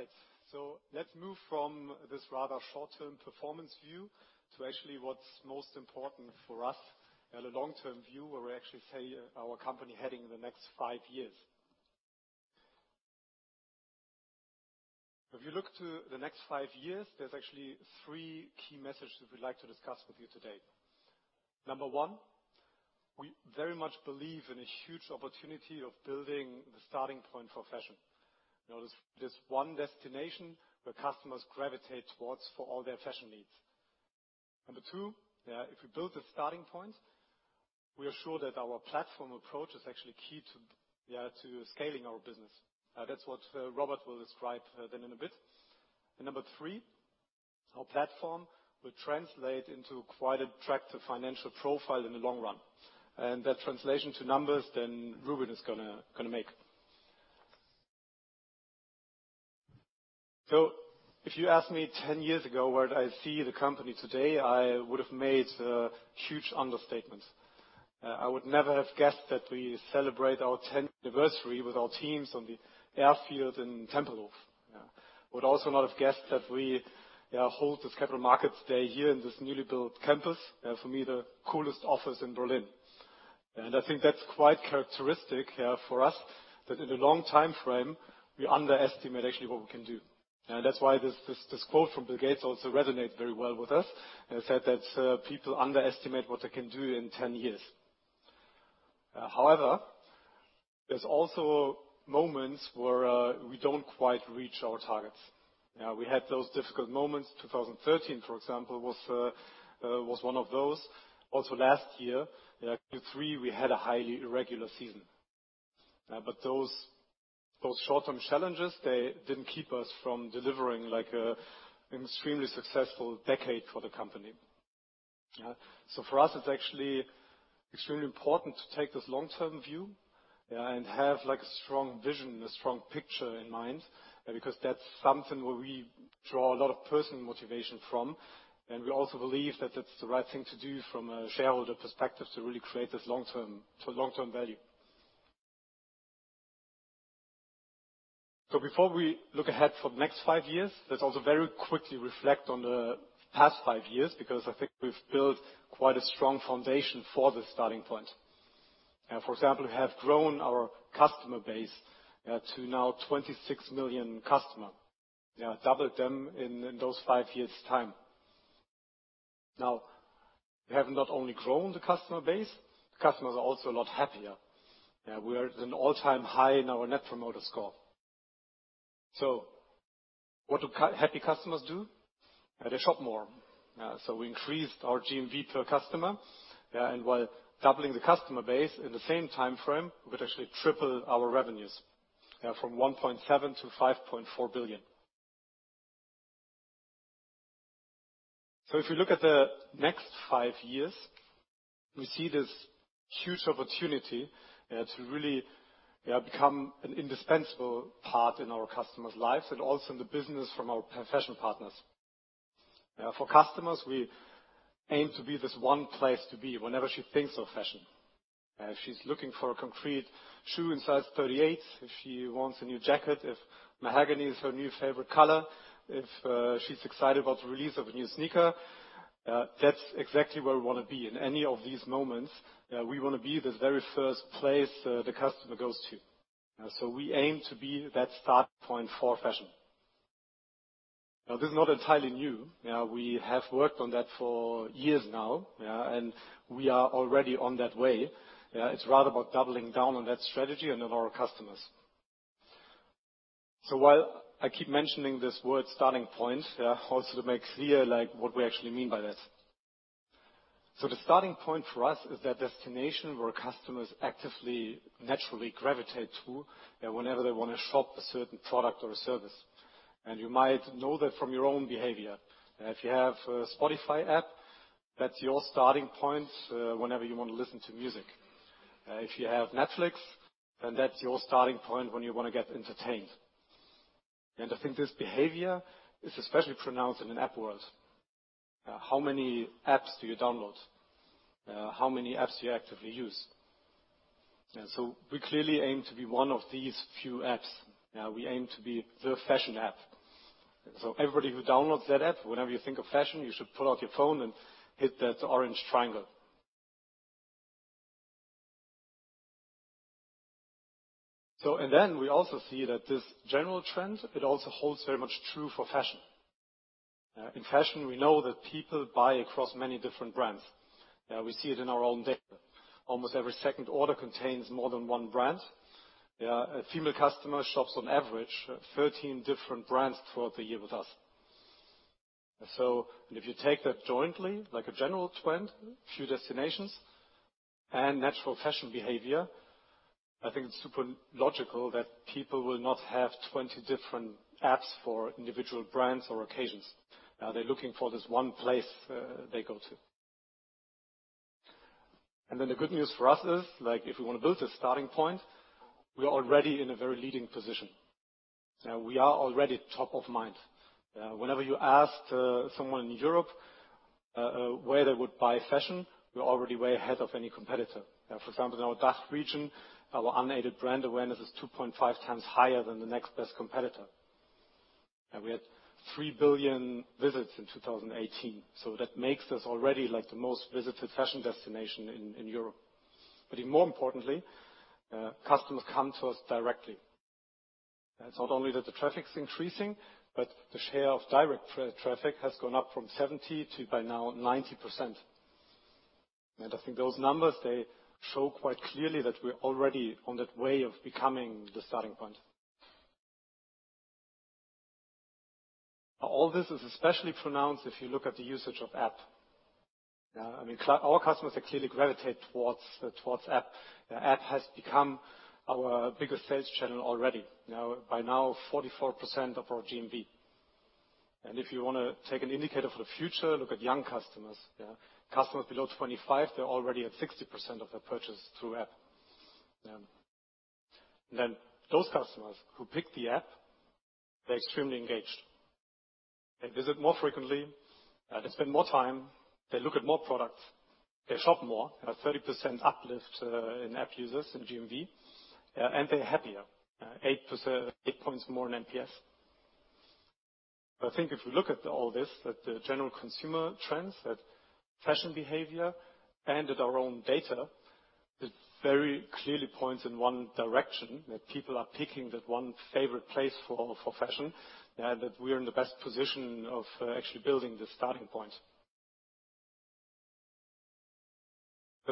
Right. Let's move from this rather short-term performance view to actually what's most important for us, at a long-term view where we actually see our company heading the next five years. If you look to the next five years, there's actually three key messages we'd like to discuss with you today. Number one, we very much believe in a huge opportunity of building the starting point for fashion. There's this one destination where customers gravitate towards for all their fashion needs. Number two, if we build the starting point, we are sure that our platform approach is actually key to scaling our business. That's what Robert will describe then in a bit. Number three, our platform will translate into quite attractive financial profile in the long run. That translation to numbers then Rubin is going to make. If you asked me 10 years ago, where did I see the company today, I would have made a huge understatement. I would never have guessed that we celebrate our 10th anniversary with our teams on the airfield in Tempelhof. Would also not have guessed that we hold this Capital Markets Day here in this newly built campus, for me, the coolest office in Berlin. I think that's quite characteristic for us, that in the long timeframe, we underestimate actually what we can do. That's why this quote from Bill Gates also resonates very well with us. It said that people underestimate what they can do in 10 years. However, there's also moments where we don't quite reach our targets. We had those difficult moments. A 2013, for example, was one of those. Last year, Q3, we had a highly irregular season. Those short-term challenges, they didn't keep us from delivering an extremely successful decade for the company. For us, it's actually extremely important to take this long-term view and have a strong vision, a strong picture in mind, because that's something where we draw a lot of personal motivation from. We also believe that it's the right thing to do from a shareholder perspective to really create this long-term value. Before we look ahead for the next five years, let's very quickly reflect on the past five years, because I think we've built quite a strong foundation for the starting point. For example, we have grown our customer base to now 26 million customers. Doubled them in those five years' time. We have not only grown the customer base, the customers are also a lot happier. We are at an all-time high in our Net Promoter Score. What do happy customers do? They shop more. We increased our GMV per customer. While doubling the customer base in the same timeframe, we could actually triple our revenues from 1.7 billion-5.4 billion. If you look at the next five years, we see this huge opportunity to really become an indispensable part in our customers' lives and also in the business from our fashion partners. For customers, we aim to be this one place to be whenever she thinks of fashion. If she's looking for a concrete shoe in size 38, if she wants a new jacket, if mahogany is her new favorite color, if she's excited about the release of a new sneaker, that's exactly where we want to be. In any of these moments, we want to be the very first place the customer goes to. We aim to be that starting point for fashion. This is not entirely new. We have worked on that for years now, we are already on that way. It's rather about doubling down on that strategy and on our customers. While I keep mentioning this word, starting point, also to make clear what we actually mean by that. The starting point for us is that destination where customers actively, naturally gravitate to whenever they want to shop a certain product or a service. You might know that from your own behavior. If you have a Spotify App, that's your starting point whenever you want to listen to music. If you have Netflix, that's your starting point when you want to get entertained. I think this behavior is especially pronounced in an app world. How many apps do you download? How many apps do you actively use? We clearly aim to be one of these few apps. We aim to be the fashion app. Everybody who downloads that app, whenever you think of fashion, you should pull out your phone and hit that orange triangle. We also see that this general trend, it also holds very much true for fashion. In fashion, we know that people buy across many different brands. We see it in our own data. Almost every second order contains more than one brand. A female customer shops on average 13 different brands throughout the year with us. If you take that jointly, like a general trend, few destinations, natural fashion behavior, I think it's super logical that people will not have 20 different apps for individual brands or occasions. They're looking for this one place they go to. The good news for us is, if we want to build a starting point, we are already in a very leading position. We are already top of mind. Whenever you ask someone in Europe where they would buy fashion, we're already way ahead of any competitor. For example, in our DACH region, our unaided brand awareness is 2.5x higher than the next best competitor. We had 3 billion visits in 2018. That makes us already the most visited fashion destination in Europe. More importantly, customers come to us directly. It's not only that the traffic's increasing, but the share of direct traffic has gone up from 70% to by now 90%. I think those numbers, they show quite clearly that we're already on that way of becoming the starting point. All this is especially pronounced if you look at the usage of app. Our customers clearly gravitate towards app. App has become our biggest sales channel already. By now 44% of our GMV. If you want to take an indicator for the future, look at young customers. Customers below 25, they're already at 60% of their purchase through app. Those customers who pick the app, they're extremely engaged. They visit more frequently, they spend more time, they look at more products, they shop more. A 30% uplift in app users in GMV, and they're happier. A 8 points more than NPS. I think if you look at all this, at the general consumer trends, at fashion behavior, and at our own data, it very clearly points in one direction, that people are picking that one favorite place for fashion, and that we're in the best position of actually building the starting point.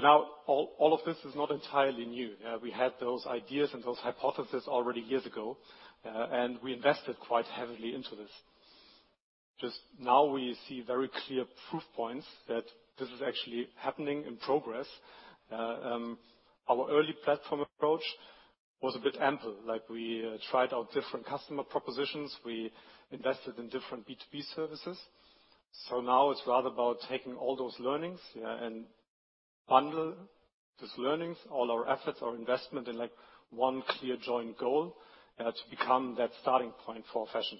Now all of this is not entirely new. We had those ideas and those hypotheses already years ago, and we invested quite heavily into this. Just now, we see very clear proof points that this is actually happening in progress. Our early platform approach was a bit ample. Like, we tried out different customer propositions. We invested in different B2B services. Now it's rather about taking all those learnings and bundle these learnings, all our efforts, our investment in one clear joint goal to become that starting point for fashion.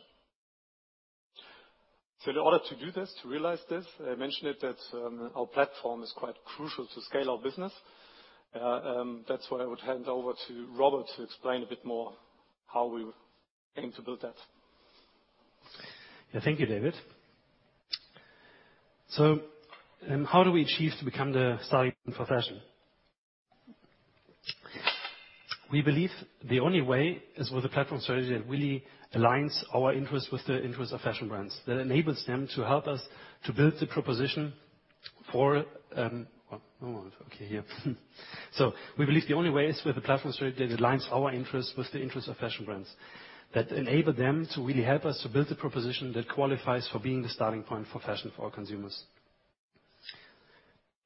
In order to do this, to realize this, I mentioned it that our platform is quite crucial to scale our business. That's why I would hand over to Robert to explain a bit more how we aim to build that. Thank you, David. How do we achieve to become the starting point for fashion? We believe the only way is with a platform strategy that really aligns our interests with the interests of fashion brands, that enables them to help us to build the proposition for—hold on. Okay, here. We believe the only way is with a platform strategy that aligns our interests with the interests of fashion brands. That enable them to really help us to build a proposition that qualifies for being the starting point for fashion for our consumers.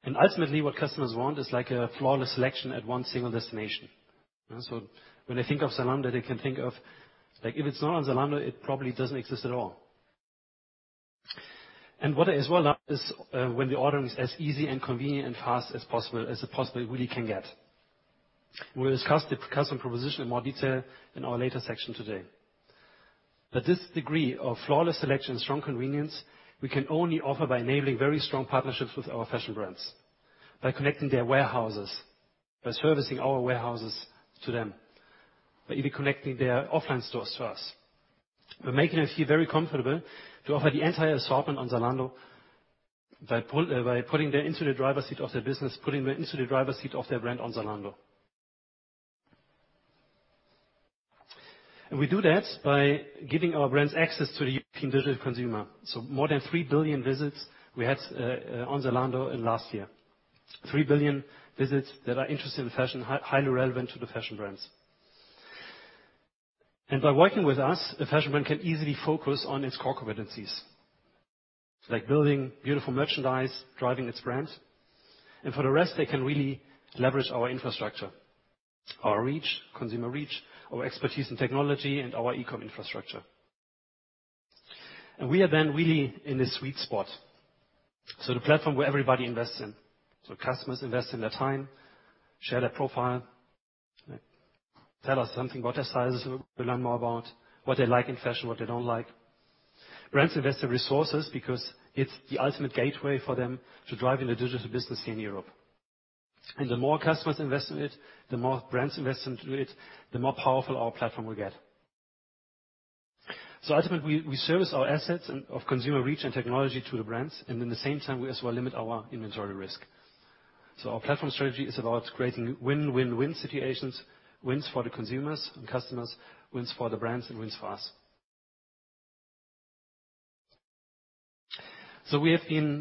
Ultimately, what customers want is a flawless selection at one single destination. When they think of Zalando, they can think of, if it's not on Zalando, it probably doesn't exist at all. What they as well like is when the ordering is as easy and convenient and fast as possible, as it possibly really can get. We'll discuss the customer proposition in more detail in our later section today. This degree of flawless selection, strong convenience, we can only offer by enabling very strong partnerships with our fashion brands. By connecting their warehouses, by servicing our warehouses to them. By either connecting their offline stores to us. We're making them feel very comfortable to offer the entire assortment on Zalando by putting them into the driver's seat of their business, putting them into the driver's seat of their brand on Zalando. We do that by giving our brands access to the European digital consumer. More than 3 billion visits we had on Zalando in last year. A 3 billion visits that are interested in fashion, highly relevant to the fashion brands. By working with us, a fashion brand can easily focus on its core competencies. Like building beautiful merchandise, driving its brands. For the rest, they can really leverage our infrastructure. Our reach, consumer reach, our expertise in technology and our e-com infrastructure. We are then really in the sweet spot. The platform where everybody invests in. Customers invest in their time, share their profile, tell us something about their sizes. We learn more about what they like in fashion, what they don't like. Brands invest their resources because it is the ultimate gateway for them to drive in the digital business here in Europe. The more customers invest in it, the more brands invest into it, the more powerful our platform will get. Ultimately, we service our assets of consumer reach and technology to the brands, and in the same time, we as well limit our inventory risk. Our platform strategy is about creating win-win-win situations. Wins for the consumers and customers, wins for the brands, and wins for us. We have been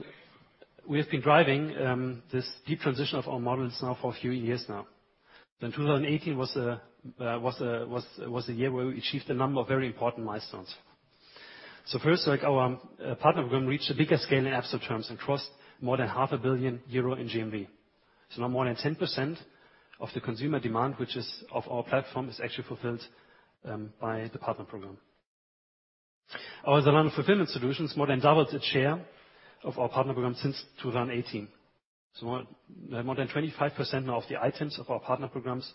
driving this deep transition of our models now for a few years now. Then, 2018 was the year where we achieved a number of very important milestones. First, our Partner Program reached a bigger scale in absolute terms and crossed more than half a billion euro in GMV. Now more than 10% of the consumer demand, which is of our platform, is actually fulfilled by the Partner Program. Our Zalando Fulfillment Solutions more than doubled its share of our Partner Program since 2018. So more than 25% now of the items of our Partner Programs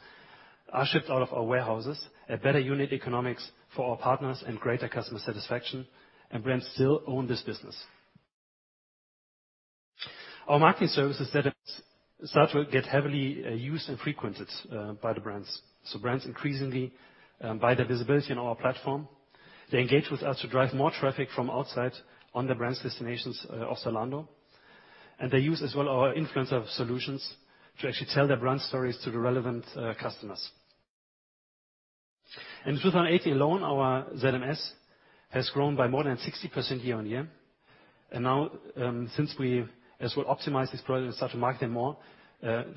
are shipped out of our warehouses at better unit economics for our partners and greater customer satisfaction. Brands still own this business. Our marketing services start to get heavily used and frequented by the brands. Brands increasingly buy their visibility on our platform. They engage with us to drive more traffic from outside on the brands' destinations of Zalando. They use as well our influencer solutions to actually tell their brand stories to the relevant customers. In 2018 alone, our ZMS has grown by more than 60% year-on-year. Now, since we as well optimized this product and start to market it more,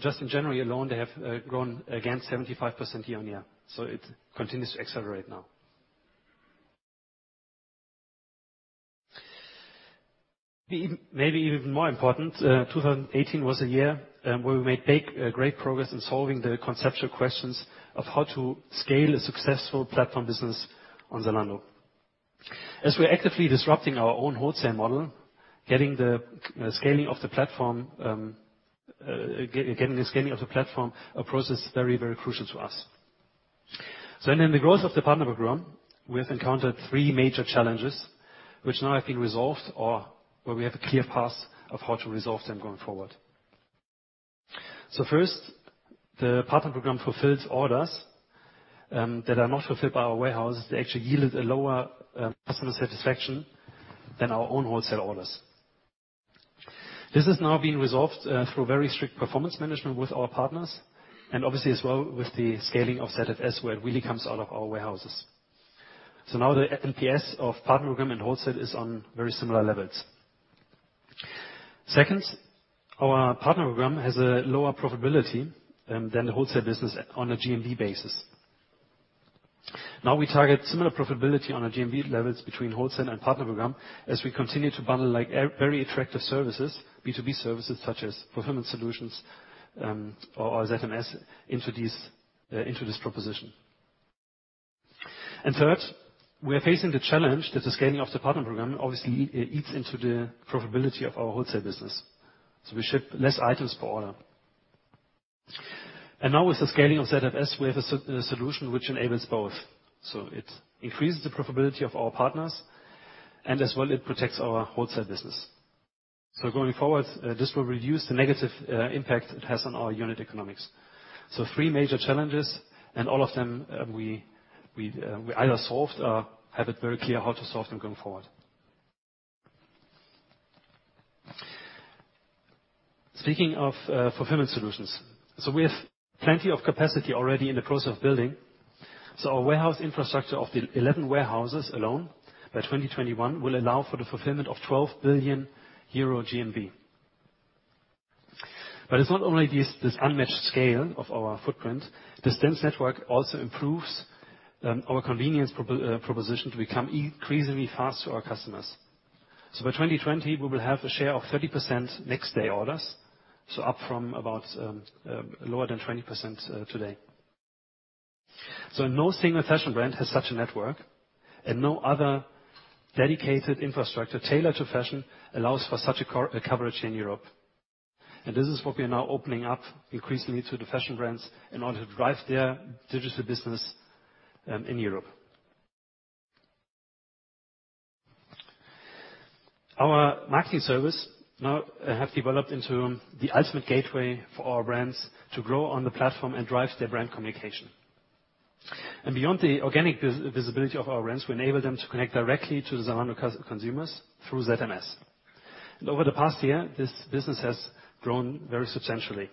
just in January alone, they have grown again 75% year-on-year. It continues to accelerate now. Maybe even more important, 2018 was a year where we made great progress in solving the conceptual questions of how to scale a successful platform business on Zalando. As we are actively disrupting our own wholesale model, getting the scaling of the platform process very crucial to us. In the growth of the Partner Program, we have encountered three major challenges, which now have been resolved or where we have a clear path of how to resolve them going forward. First, the Partner Program fulfills orders that are not fulfilled by our warehouses. They actually yielded a lower customer satisfaction than our own wholesale orders. This is now being resolved through very strict performance management with our partners and obviously as well with the scaling of ZFS where it really comes out of our warehouses. Now the NPS of Partner Program and wholesale is on very similar levels. Second, our Partner Program has a lower profitability than the wholesale business on a GMV basis. We target similar profitability on our GMV levels between wholesale and Partner Program, as we continue to bundle very attractive services, B2B services such as fulfillment solutions, or ZMS into this proposition. Third, we are facing the challenge that the scaling of the Partner Program obviously eats into the profitability of our wholesale business. We ship less items per order. Now with the scaling of ZFS, we have a solution which enables both. It increases the profitability of our partners and as well it protects our wholesale business. Going forward, this will reduce the negative impact it has on our unit economics. Three major challenges and all of them we either solved or have it very clear how to solve them going forward. Speaking of fulfillment solutions. We have plenty of capacity already in the process of building. Our warehouse infrastructure of the 11 warehouses alone by 2021 will allow for the fulfillment of 12 billion euro GMV. It's not only this unmatched scale of our footprint. This dense network also improves our convenience proposition to become increasingly fast to our customers. By 2020 we will have a share of 30% next day orders. Up from about lower than 20% today. No single fashion brand has such a network and no other dedicated infrastructure tailored to fashion allows for such a coverage in Europe. This is what we are now opening up increasingly to the fashion brands in order to drive their digital business in Europe. Our marketing service now have developed into the ultimate gateway for our brands to grow on the platform and drive their brand communication. Beyond the organic visibility of our brands, we enable them to connect directly to Zalando consumers through ZMS. Over the past year, this business has grown very substantially.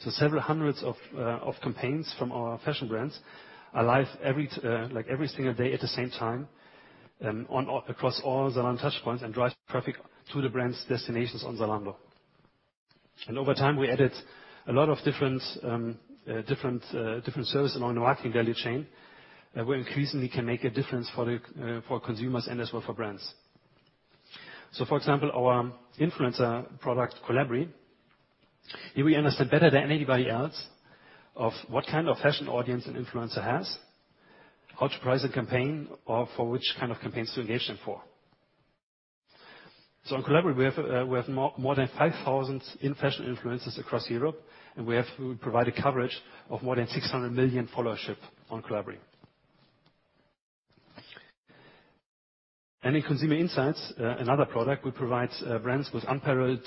Several hundreds of campaigns from our fashion brands are live every single day at the same time across all Zalando touch points and drive traffic to the brands' destinations on Zalando. Over time we added a lot of different service along the marketing value chain. We increasingly can make a difference for consumers and as well for brands. For example, our influencer product, Collabary. Here we understand better than anybody else of what kind of fashion audience an influencer has, how to price a campaign or for which kind of campaigns to engage them for. On Collabary, we have more than 5,000 in-fashion influencers across Europe, and we provide a coverage of more than 600 million followership on Collabary. In consumer insights, another product, we provide brands with unparalleled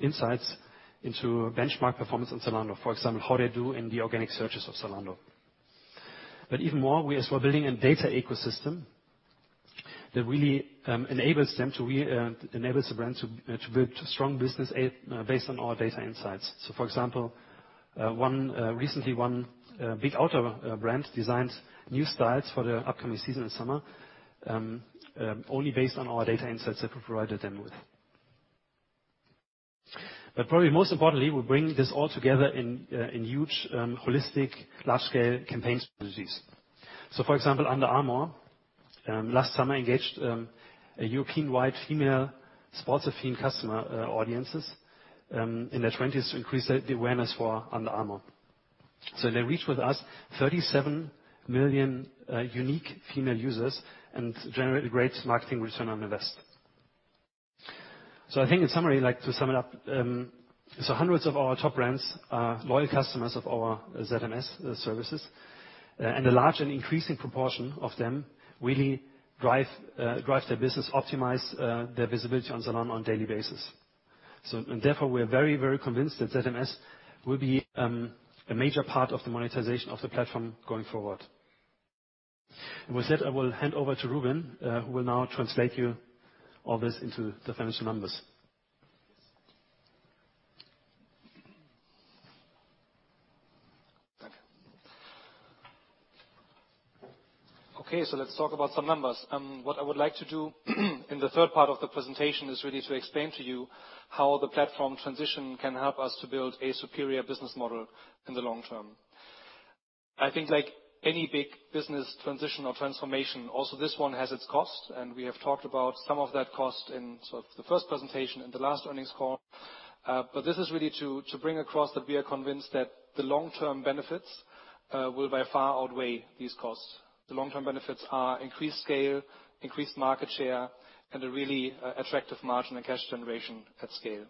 insights into benchmark performance on Zalando. For example, how they do in the organic searches of Zalando. Even more, we as well are building a data ecosystem that really enables the brand to build strong business based on our data insights. For example, recently one big auto brand designed new styles for the upcoming season in summer, only based on our data insights that we provided them with. Probably most importantly, we bring this all together in huge, holistic, large-scale campaign strategies. For example, Under Armour last summer engaged a European-wide female sports-affined customer audiences in their 20s to increase the awareness for Under Armour. So they reach with us 37 million unique female users and generate great marketing return on invest. I think in summary, to sum it up, hundreds of our top brands are loyal customers of our ZMS services. A large and increasing proportion of them really drive their business, optimize their visibility on Zalando on a daily basis. Therefore, we are very, very convinced that ZMS will be a major part of the monetization of the platform going forward. With that, I will hand over to Rubin, who will now translate you all this into the financial numbers. Okay, let's talk about some numbers. What I would like to do in the third part of the presentation is really to explain to you how the platform transition can help us to build a superior business model in the long term. I think, like any big business transition or transformation, also this one has its cost, and we have talked about some of that cost in sort of the first presentation and the last earnings call. This is really to bring across that we are convinced that the long-term benefits will by far outweigh these costs. The long-term benefits are increased scale, increased market share, and a really attractive margin and cash generation at scale.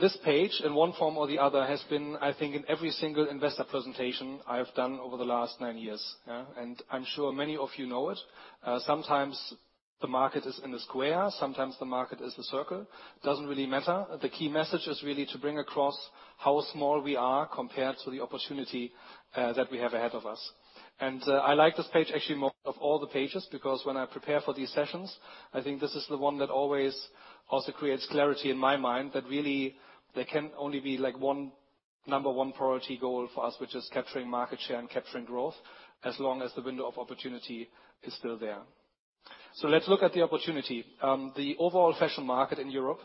This page, in one form or the other, has been, I think, in every single investor presentation I have done over the last nine years. Yeah. I'm sure many of you know it. Sometimes the market is in a square, sometimes the market is a circle. It doesn't really matter. The key message is really to bring across how small we are compared to the opportunity that we have ahead of us. I like this page actually more of all the pages, because when I prepare for these sessions, I think this is the one that always also creates clarity in my mind, that really there can only be one number one priority goal for us, which is capturing market share and capturing growth as long as the window of opportunity is still there. Let's look at the opportunity. The overall fashion market in Europe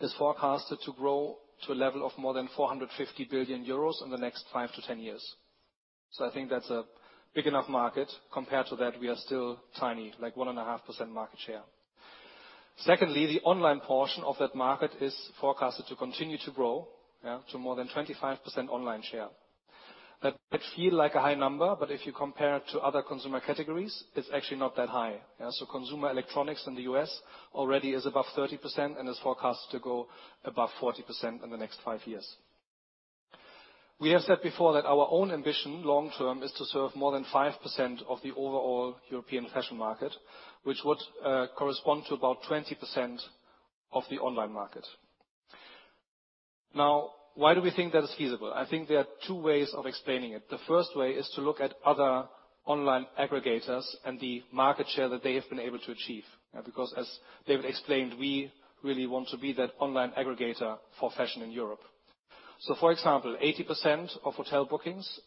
is forecasted to grow to a level of more than 450 billion euros in the next 7-10 years. I think that's a big enough market. Compared to that, we are still tiny, like 1.5% market share. Secondly, the online portion of that market is forecasted to continue to grow, yeah, to more than 25% online share. That may feel like a high number, but if you compare it to other consumer categories, it's actually not that high. Yeah. Consumer electronics in the U.S. already is above 30% and is forecasted to go above 40% in the next five years. We have said before that our own ambition, long term, is to serve more than 5% of the overall European fashion market, which would correspond to about 20% of the online market. Why do we think that is feasible? I think there are two ways of explaining it. The first way is to look at other online aggregators and the market share that they have been able to achieve. As David explained, we really want to be that online aggregator for fashion in Europe. For example, 80% of hotel bookings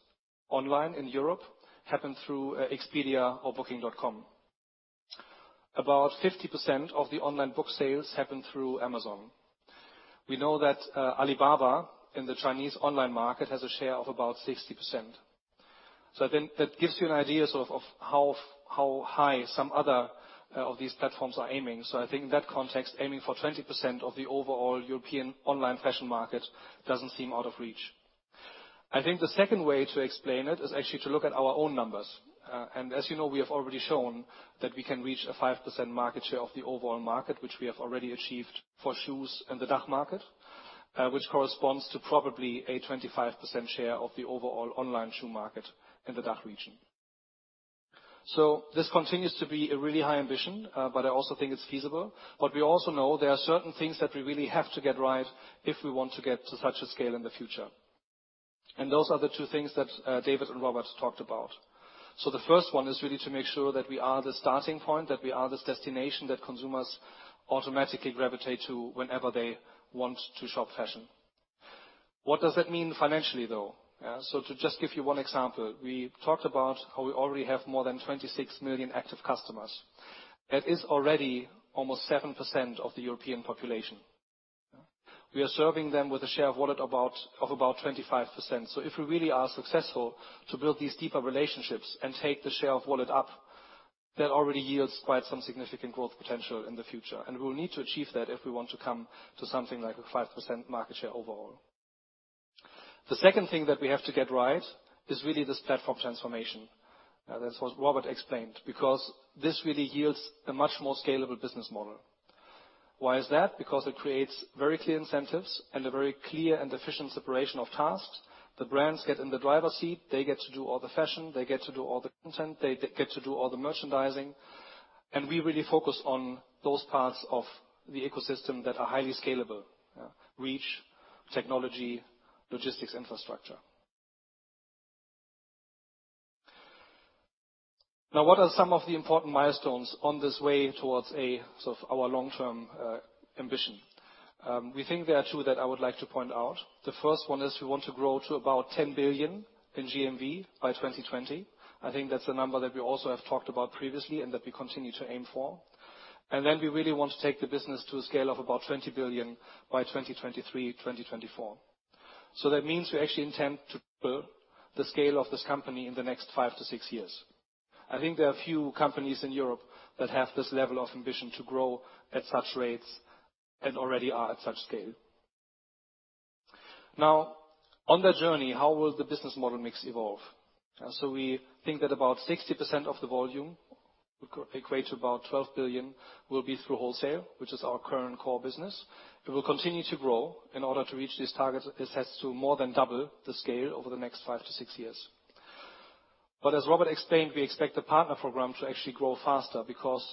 online in Europe happen through Expedia or Booking.com. About 50% of the online book sales happen through Amazon. We know that Alibaba in the Chinese online market has a share of about 60%. I think that gives you an idea, sort of how high some other of these platforms are aiming. I think in that context, aiming for 20% of the overall European online fashion market doesn't seem out of reach. I think the second way to explain it is actually to look at our own numbers. As you know, we have already shown that we can reach a 5% market share of the overall market, which we have already achieved for shoes in the DACH market, which corresponds to probably a 25% share of the overall online shoe market in the DACH region. This continues to be a really high ambition. I also think it's feasible. We also know there are certain things that we really have to get right if we want to get to such a scale in the future. Those are the two things that David and Robert talked about. The first one is really to make sure that we are the starting point, that we are this destination that consumers automatically gravitate to whenever they want to shop fashion. What does that mean financially, though? Yeah. To just give you one example, we talked about how we already have more than 26 million active customers. That is already almost 7% of the European population. We are serving them with a share of wallet of about 25%. If we really are successful to build these deeper relationships and take the share of wallet up, that already yields quite some significant growth potential in the future. We will need to achieve that if we want to come to something like a 5% market share overall. The second thing that we have to get right is really this platform transformation. That's what Robert explained. This really yields a much more scalable business model. Why is that? It creates very clear incentives and a very clear and efficient separation of tasks. The brands get in the driver's seat. They get to do all the fashion. They get to do all the content. They get to do all the merchandising. We really focus on those parts of the ecosystem that are highly scalable. Reach, technology, logistics, infrastructure. Now, what are some of the important milestones on this way towards our long-term ambition? We think there are two that I would like to point out. The first one is we want to grow to about 10 billion in GMV by 2020. I think that's a number that we also have talked about previously and that we continue to aim for. Then we really want to take the business to a scale of about 20 billion by 2023, 2024. That means we actually intend to build the scale of this company in the next five to six years. I think there are few companies in Europe that have this level of ambition to grow at such rates and already are at such scale. On that journey, how will the business model mix evolve? We think that about 60% of the volume, equate to about 12 billion, will be through wholesale, which is our current core business. It will continue to grow. In order to reach these targets, this has to more than double the scale over the next five to six years. As Robert explained, we expect the Partner Program to actually grow faster because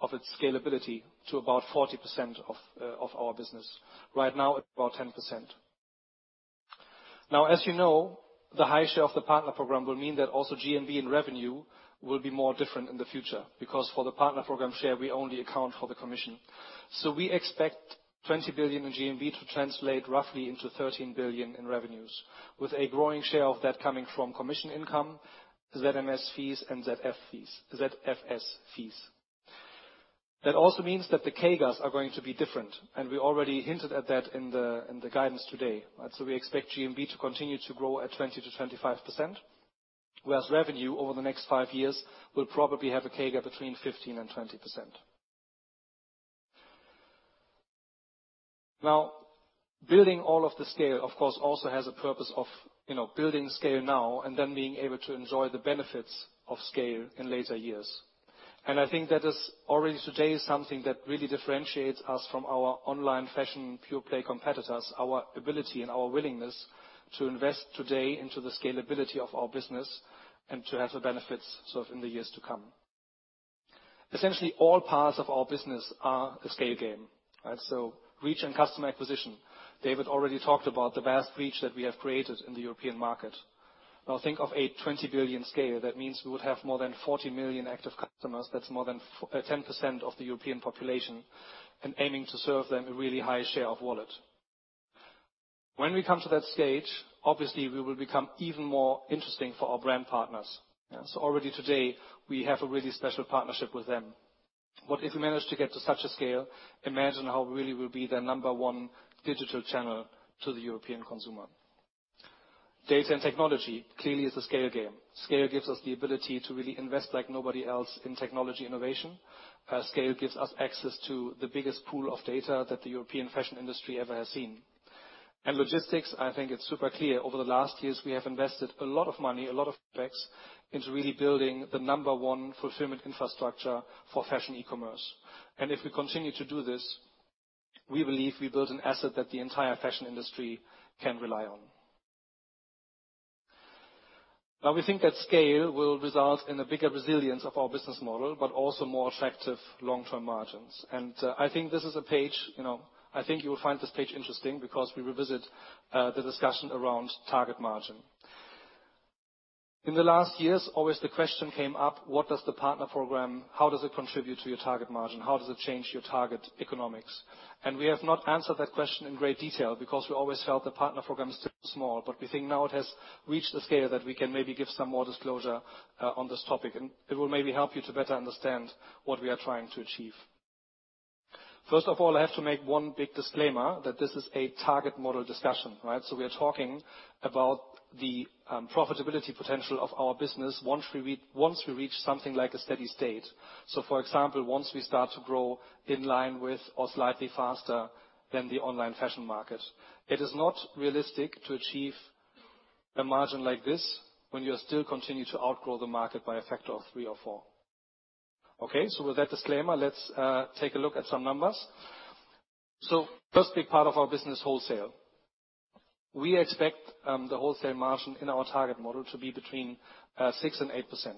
of its scalability to about 40% of our business. Right now, it's about 10%. As you know, the high share of the Partner Program will mean that also GMV and revenue will be more different in the future, because for the Partner Program share, we only account for the commission. We expect 20 billion in GMV to translate roughly into 13 billion in revenues, with a growing share of that coming from commission income, ZMS fees and ZFS fees. That also means that the CAGRs are going to be different, and we already hinted at that in the guidance today. We expect GMV to continue to grow at 20%-25%, whereas revenue over the next five years will probably have a CAGR between 15%-20%. Building all of the scale, of course, also has a purpose of, you know, building scale now and then being able to enjoy the benefits of scale in later years. I think that is already today something that really differentiates us from our online fashion pure-play competitors, our ability and our willingness to invest today into the scalability of our business and to have the benefits in the years to come. Essentially, all parts of our business are a scale game. Reach and customer acquisition. David already talked about the vast reach that we have created in the European market. Think of a 20 billion scale. That means we would have more than 40 million active customers. That's more than 10% of the European population and aiming to serve them a really high share of wallet. When we come to that stage, obviously, we will become even more interesting for our brand partners. Already today, we have a really special partnership with them. If we manage to get to such a scale, imagine how we really will be their number one digital channel to the European consumer. Data and technology clearly is a scale game. Scale gives us the ability to really invest like nobody else in technology innovation. Scale gives us access to the biggest pool of data that the European fashion industry ever has seen. Logistics, I think it's super clear. Over the last years, we have invested a lot of money, a lot of CapEx into really building the number one fulfillment infrastructure for fashion e-commerce. If we continue to do this, we believe we build an asset that the entire fashion industry can rely on. We think that scale will result in a bigger resilience of our business model, but also more attractive long-term margins. I think you will find this page interesting because we revisit the discussion around target margin. In the last years, always the question came up, what does the Partner Program, how does it contribute to your target margin? How does it change your target economics? We have not answered that question in great detail because we always felt the Partner Program is still small. We think now it has reached the scale that we can maybe give some more disclosure on this topic, and it will maybe help you to better understand what we are trying to achieve. First of all, I have to make one big disclaimer that this is a target model discussion. We are talking about the profitability potential of our business once we reach something like a steady state. For example, once we start to grow in line with or slightly faster than the online fashion market. It is not realistic to achieve a margin like this when you still continue to outgrow the market by a factor of three or four. Okay, with that disclaimer, let's take a look at some numbers. First big part of our business, wholesale. We expect the wholesale margin in our target model to be between 6%-8%.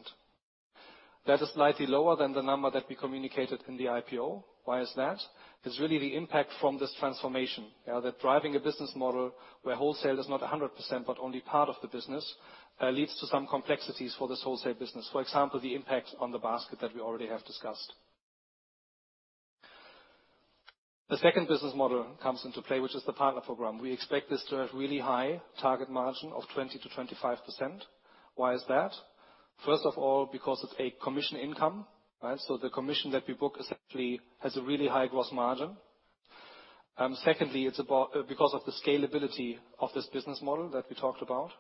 That is slightly lower than the number that we communicated in the IPO. Why is that? It's really the impact from this transformation, that driving a business model where wholesale is not 100%, but only part of the business, leads to some complexities for this wholesale business. For example, the impact on the basket that we already have discussed. The second business model comes into play, which is the Partner Program. We expect this to have really high target margin of 20%-25%. Why is that? First of all, because it's a commission income. The commission that we book essentially has a really high gross margin. Secondly, it's because of the scalability of this business model that we talked about.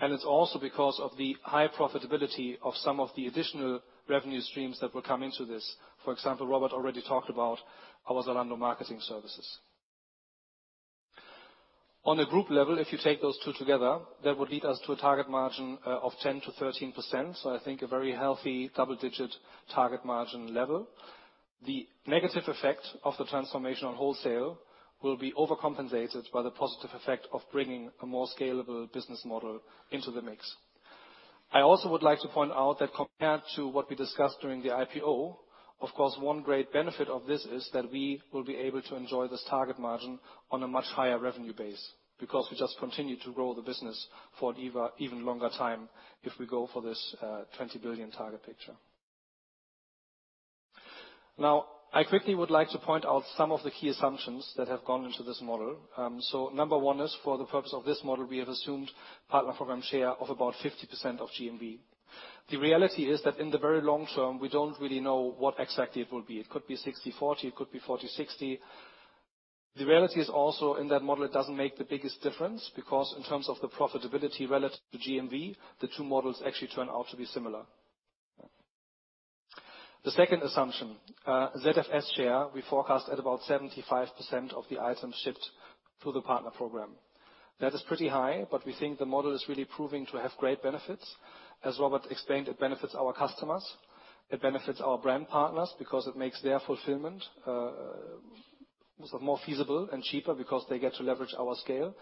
It's also because of the high profitability of some of the additional revenue streams that will come into this. For example, Robert already talked about our Zalando Marketing Services. On a group level, if you take those two together, that would lead us to a target margin of 10%-13%. I think a very healthy double-digit target margin level. The negative effect of the transformation on wholesale will be overcompensated by the positive effect of bringing a more scalable business model into the mix. I also would like to point out that compared to what we discussed during the IPO, of course, one great benefit of this is that we will be able to enjoy this target margin on a much higher revenue base because we just continue to grow the business for an even longer time if we go for this 20 billion target picture. Now, I quickly would like to point out some of the key assumptions that have gone into this model. Number one is for the purpose of this model, we have assumed Partner Program share of about 50% of GMV. The reality is that in the very long term, we don't really know what exactly it will be. It could be 60/40, it could be 40/60. The reality is also in that model, it doesn't make the biggest difference because in terms of the profitability relative to GMV, the two models actually turn out to be similar. The second assumption, ZFS share, we forecast at about 75% of the items shipped through the Partner Program. We think the model is really proving to have great benefits. As Robert explained, it benefits our customers, it benefits our brand partners because it makes their fulfillment more feasible and cheaper because they get to leverage our scale.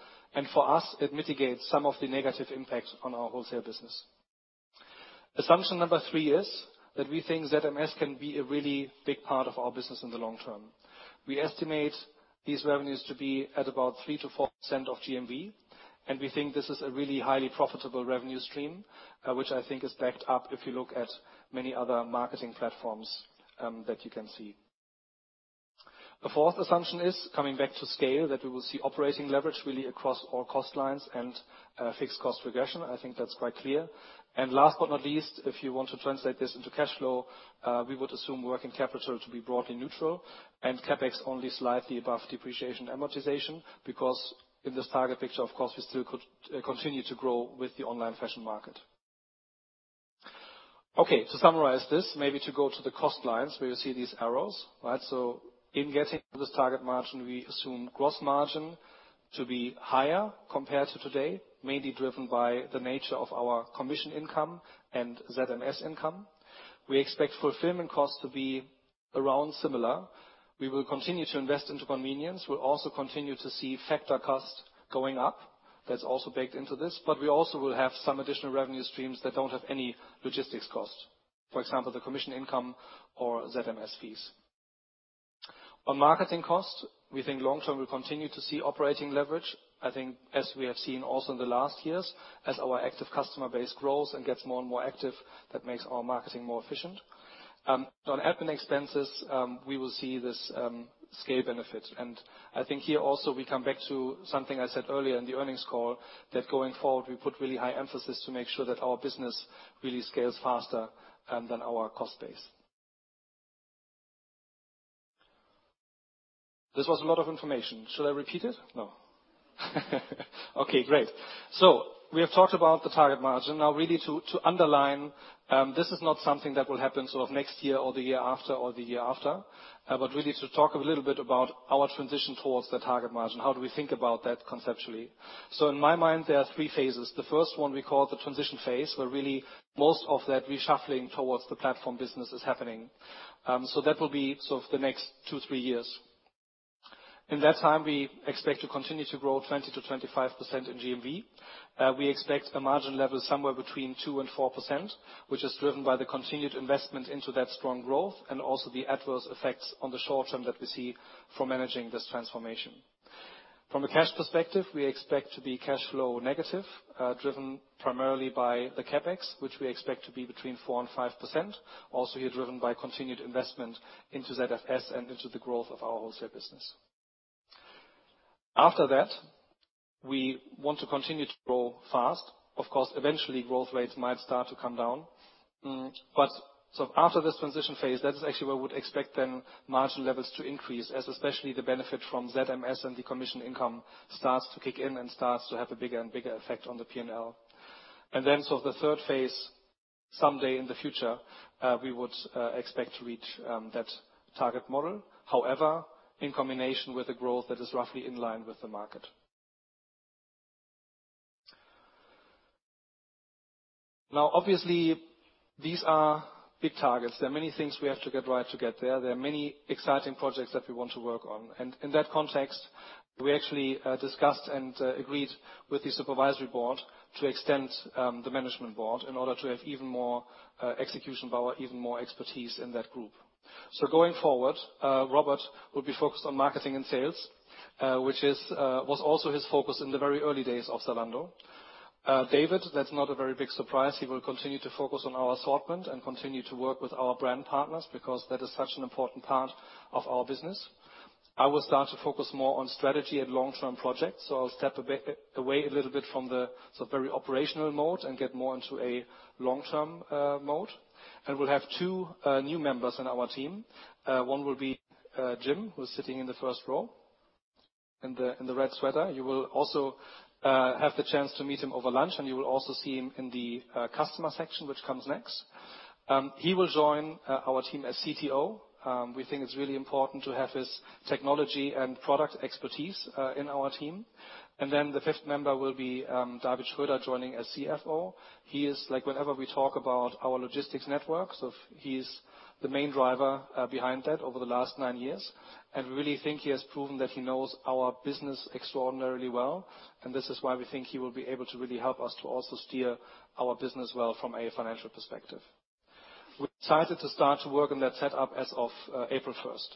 For us, it mitigates some of the negative impacts on our wholesale business. Assumption number three is that we think ZMS can be a really big part of our business in the long term. We estimate these revenues to be at about 3%-4% of GMV, and we think this is a really highly profitable revenue stream, which I think is backed up if you look at many other marketing platforms that you can see. The fourth assumption is coming back to scale, that we will see operating leverage really across all cost lines and fixed cost regression. I think that's quite clear. Last but not least, if you want to translate this into cash flow, we would assume working capital to be broadly neutral and CapEx only slightly above depreciation amortization because in this target picture, of course, we still could continue to grow with the online fashion market. To summarize this, maybe to go to the cost lines where you see these arrows. In getting to this target margin, we assume gross margin to be higher compared to today, mainly driven by the nature of our commission income and ZMS income. We expect fulfillment costs to be around similar. We will continue to invest into convenience. We'll also continue to see factor cost going up. That's also baked into this. We also will have some additional revenue streams that don't have any logistics cost. For example, the commission income or ZMS fees. On marketing costs, we think long term we'll continue to see operating leverage. I think as we have seen also in the last years, as our active customer base grows and gets more and more active, that makes our marketing more efficient. On admin expenses, we will see this scale benefit. I think here also we come back to something I said earlier in the earnings call, that going forward, we put really high emphasis to make sure that our business really scales faster than our cost base. This was a lot of information. Should I repeat it? No. Great. We have talked about the target margin. Now really to underline, this is not something that will happen next year or the year after or the year after. Really to talk a little bit about our transition towards the target margin. How do we think about that conceptually? In my mind, there are three phases. The first one we call the transition phase, where really most of that reshuffling towards the platform business is happening. That will be the next two, three years. In that time, we expect to continue to grow 20%-25% in GMV. We expect a margin level somewhere between 2% and 4%, which is driven by the continued investment into that strong growth and also the adverse effects on the short term that we see from managing this transformation. From a cash perspective, we expect to be cash flow negative, driven primarily by the CapEx, which we expect to be between 4% and 5%. Also here, driven by continued investment into ZFS and into the growth of our wholesale business. Of course, eventually growth rates might start to come down. After this transition phase, that is actually where we would expect then margin levels to increase as especially the benefit from ZMS and the commission income starts to kick in and starts to have a bigger and bigger effect on the P&L. The third phase, someday in the future, we would expect to reach that target model. However, in combination with a growth that is roughly in line with the market. Obviously, these are big targets. There are many things we have to get right to get there. There are many exciting projects that we want to work on. In that context, we actually discussed and agreed with the supervisory board to extend the management board in order to have even more execution power, even more expertise in that group. Going forward, Robert will be focused on marketing and sales, which was also his focus in the very early days of Zalando. David, that's not a very big surprise. He will continue to focus on our assortment and continue to work with our brand partners because that is such an important part of our business. I'll start to focus more on strategy and long-term projects. I'll step away a little bit from the very operational mode and get more into a long-term mode. We'll have two new members on our team. One will be Jim, who's sitting in the first row in the red sweater. You will also have the chance to meet him over lunch, and you will also see him in the customer section, which comes next. He will join our team as CTO. We think it's really important to have his technology and product expertise in our team. The fifth member will be David Schröder joining as CFO. Whenever we talk about our logistics network, he's the main driver behind that over the last nine years. We really think he has proven that he knows our business extraordinarily well, and this is why we think he will be able to really help us to also steer our business well from a financial perspective. We're excited to start to work on that set up as of April 1st.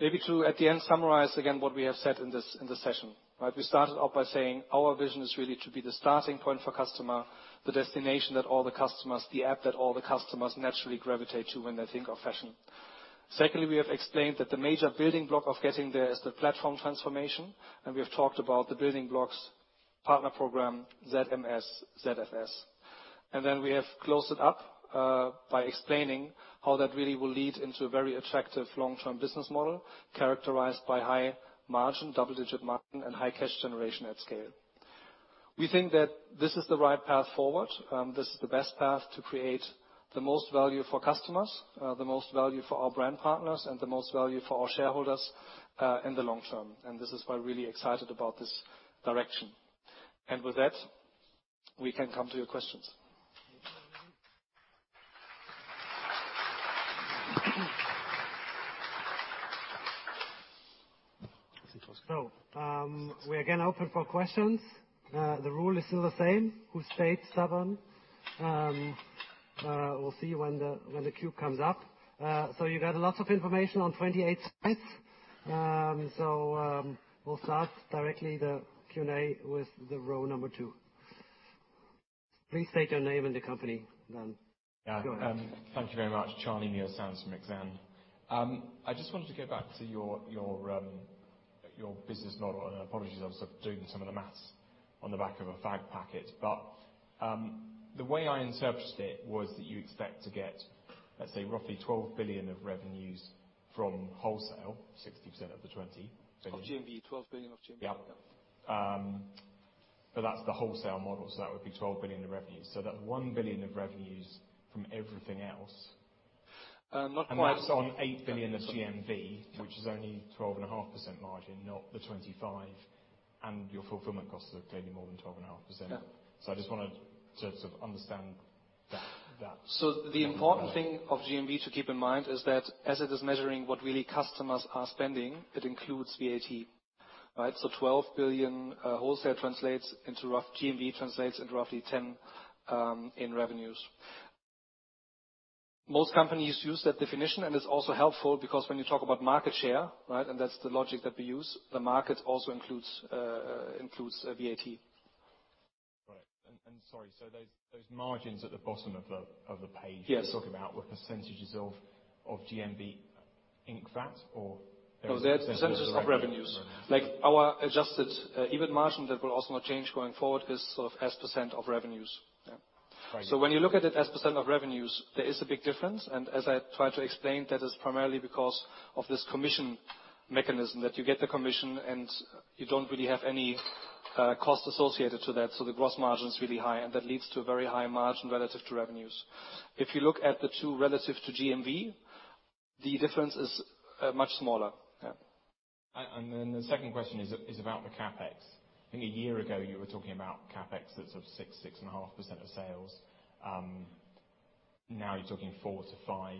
Maybe to at the end summarize again what we have said in this session. We started off by saying our vision is really to be the starting point for customer, the destination that all the customers, the app that all the customers naturally gravitate to when they think of fashion. Secondly, we have explained that the major building block of getting there is the platform transformation, we have talked about the building blocks Partner Program, ZMS, ZFS. Then we have closed it up by explaining how that really will lead into a very attractive long-term business model, characterized by high margin, double-digit margin, and high cash generation at scale. We think that this is the right path forward. This is the best path to create the most value for customers, the most value for our brand partners, and the most value for our shareholders in the long term. This is why we're really excited about this direction. With that, we can come to your questions. We're again open for questions. The rule is still the same. Who stayed stubborn? We'll see when the cube comes up. You got lots of information on 28 slides. We'll start directly the Q&A with the row number two. Please state your name and the company, then go ahead. Thank you very much. Charlie Muir-Sands from Exane. I just wanted to go back to your business model. Apologies, I was doing some of the maths on the back of a fag packet. The way I interpreted it was that you expect to get, let's say, roughly 12 billion of revenues from wholesale, 60% of the 20 billion. Of GMV, 12 billion of GMV. Yep. That's the wholesale model, that would be 12 billion of revenues. That 1 billion of revenues from everything else. Not quite. That's on 8 billion of GMV, which is only 12.5% margin, not the 25%, your fulfillment costs are clearly more than 12.5%. Yeah. I just wanted to understand that. The important thing of GMV to keep in mind is that as it is measuring what really customers are spending, it includes VAT. Right? 12 billion wholesale translates into rough GMV, translates into roughly 10 in revenues. Most companies use that definition, and it's also helpful because when you talk about market share, right? That's the logic that we use. The market also includes VAT. Sorry, those margins at the bottom of the page. Yes. You're talking about were percentages of GMV inc VAT or? No, they're percentages of revenues. Our adjusted EBIT margin that will also not change going forward is sort of as percent of revenues. Yeah. Right. When you look at it as percent of revenues, there is a big difference. As I tried to explain, that is primarily because of this commission mechanism, that you get the commission and you don't really have any cost associated to that. The gross margin is really high, and that leads to a very high margin relative to revenues. If you look at the two relative to GMV, the difference is much smaller. Yeah. The second question is about the CapEx. I think a year ago you were talking about CapEx that's of 6%-6.5% of sales. Now you're talking 4%-5%,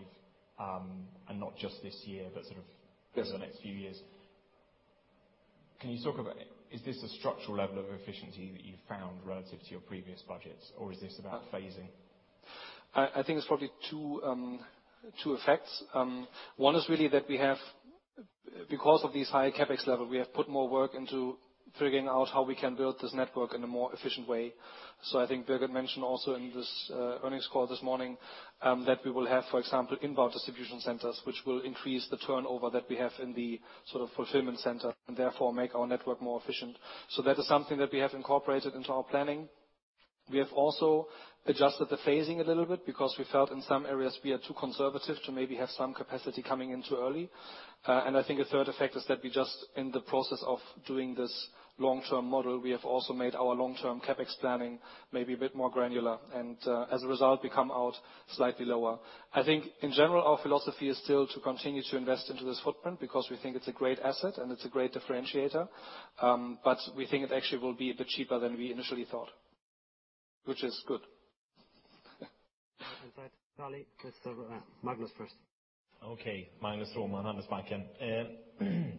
and not just this year. Yes. Is the next few years. Is this a structural level of efficiency that you've found relative to your previous budgets, or is this about phasing? I think it's probably two effects. One is really that we have, because of these high CapEx level, we have put more work into figuring out how we can build this network in a more efficient way. I think Birgit mentioned also in this earnings call this morning that we will have, for example, inbound distribution centers, which will increase the turnover that we have in the sort of fulfillment center and therefore make our network more efficient. That is something that we have incorporated into our planning. We have also adjusted the phasing a little bit because we felt in some areas we are too conservative to maybe have some capacity coming in too early. I think a third effect is that we just, in the process of doing this long-term model, we have also made our long-term CapEx planning maybe a bit more granular. As a result, we come out slightly lower. I think in general, our philosophy is still to continue to invest into this footprint because we think it's a great asset and it's a great differentiator. We think it actually will be a bit cheaper than we initially thought. Which is good. In fact, Charlie, let's go Magnus first. Okay. Magnus Råman, [Handelsbanken Capital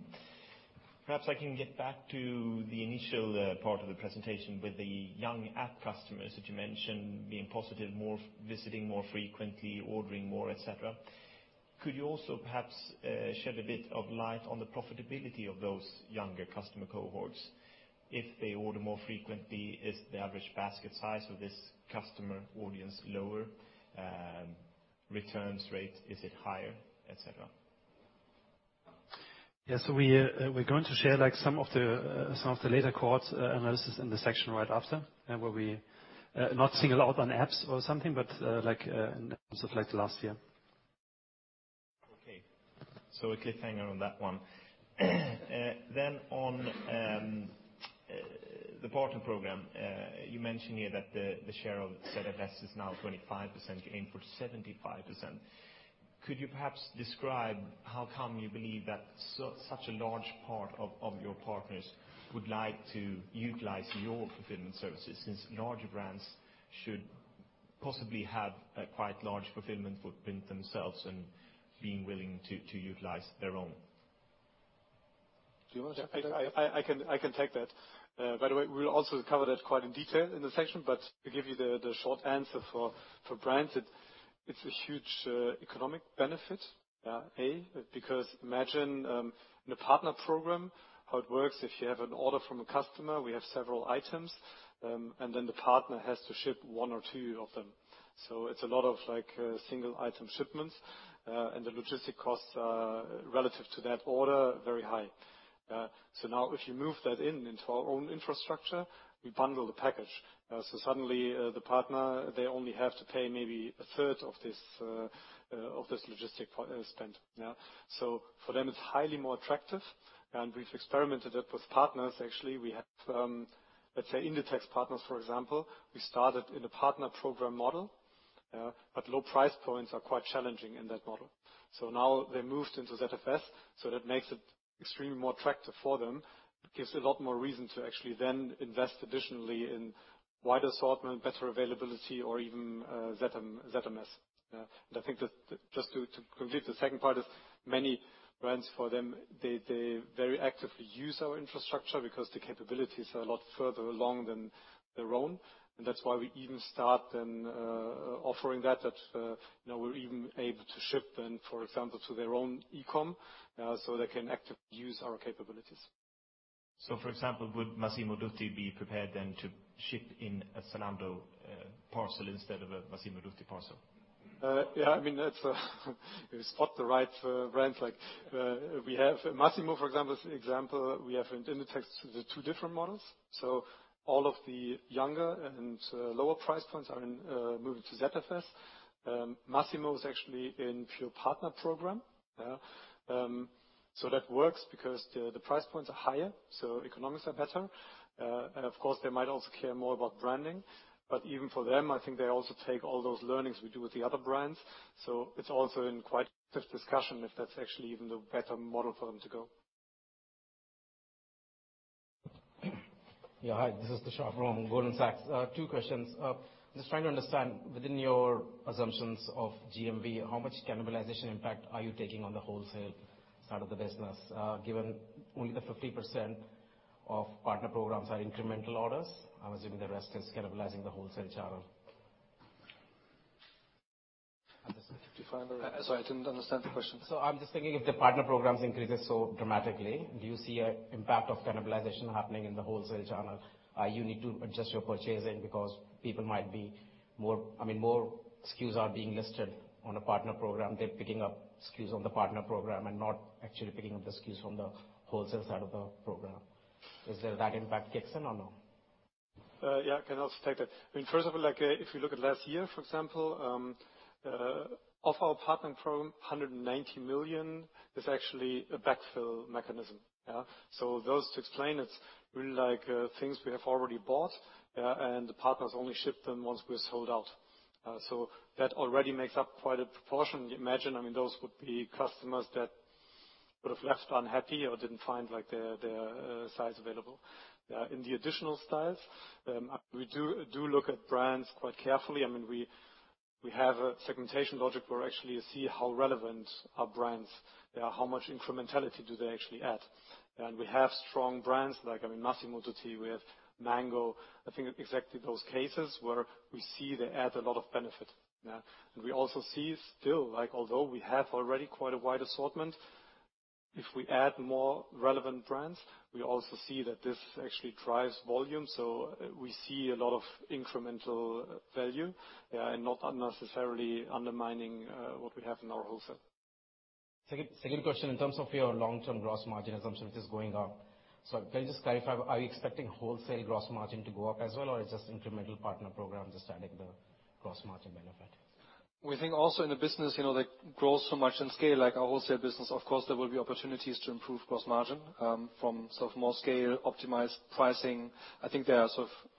Markets]. Perhaps I can get back to the initial part of the presentation with the young app customers that you mentioned being positive, visiting more frequently, ordering more, et cetera. Could you also perhaps shed a bit of light on the profitability of those younger customer cohorts? If they order more frequently, is the average basket size of this customer audience lower? Returns rate, is it higher, et cetera? Yeah. We're going to share some of the later cohort analysis in the section right after, where we not single out on apps or something, but like the last year. Okay. A cliffhanger on that one. On the Partner Program, you mentioned here that the share of ZFS is now 25%, you aim for 75%. Could you perhaps describe how come you believe that such a large part of your partners would like to utilize your fulfillment services, since larger brands should possibly have a quite large fulfillment footprint themselves and being willing to utilize their own? Do you want to take that? I can take that. By the way, we'll also cover that quite in detail in the section, but to give you the short answer for brands, it's a huge economic benefit. A, because imagine in the Partner Program how it works if you have an order from a customer, we have several items, and then the partner has to ship one or two of them. It's a lot of single item shipments, and the logistic costs are, relative to that order, very high. Now, if you move that into our own infrastructure, we bundle the package. Suddenly, the partner, they only have to pay maybe a third of this logistic partner spend now. For them, it's highly more attractive, and we've experimented it with partners. Actually, we have, let's say Inditex partners, for example. We started in a Partner Program model, low price points are quite challenging in that model. Now they moved into ZFS, that makes it extremely more attractive for them. It gives a lot more reason to actually then invest additionally in wider assortment, better availability, or even ZMS. I think just to complete the second part is many brands, for them, they very actively use our infrastructure because the capabilities are a lot further along than their own. That's why we even start then offering that. Now we're even able to ship then, for example, to their own e-com, they can actively use our capabilities. For example, would Massimo Dutti be prepared then to ship in a Zalando parcel instead of a Massimo Dutti parcel? Yeah. If you spot the right brands. Massimo, for example, we have Inditex with the two different models. All of the younger and lower price points are moved to ZFS. Massimo is actually in pure Partner Program. That works because the price points are higher, so economics are better. Of course, they might also care more about branding. Even for them, I think they also take all those learnings we do with the other brands. It's also in quite tough discussion if that's actually even the better model for them to go. Yeah, hi. This is Tushar from Goldman Sachs. Two questions. Just trying to understand, within your assumptions of GMV, how much cannibalization impact are you taking on the wholesale side of the business? Given only the 50% of Partner Programs are incremental orders, I'm assuming the rest is cannibalizing the wholesale channel. Sorry, I didn't understand the question. I'm just thinking if the Partner Program increases so dramatically, do you see an impact of cannibalization happening in the wholesale channel? You need to adjust your purchasing because people might be more—SKUs are being listed on a Partner Program. They're picking up SKUs on the Partner Program and not actually picking up the SKUs from the wholesale side of the program. Does that impact kick in or no? Can I take it? First of all, if you look at last year, for example, of our Partner Program, eur 190 million is actually a backfill mechanism. Those to explain, it's really things we have already bought, and the partners only ship them once we're sold out. That already makes up quite a proportion. You imagine, those would be customers that would have left unhappy or didn't find their size available. In the additional styles, we do look at brands quite carefully. We have a segmentation logic where actually you see how relevant are brands. How much incrementality do they actually add? We have strong brands like Massimo Dutti, we have Mango. I think exactly those cases where we see they add a lot of benefit. We also see still, although we have already quite a wide assortment, if we add more relevant brands. We also see that this actually drives volume. We see a lot of incremental value and not unnecessarily undermining what we have in our wholesale. Second question, in terms of your long-term gross margin assumption, which is going up. Can you just clarify, are you expecting wholesale gross margin to go up as well, or it's just incremental Partner Programs just adding the gross margin benefit? We think also in a business that grows so much in scale, like our wholesale business, of course, there will be opportunities to improve gross margin from more scale, optimized pricing. I think there are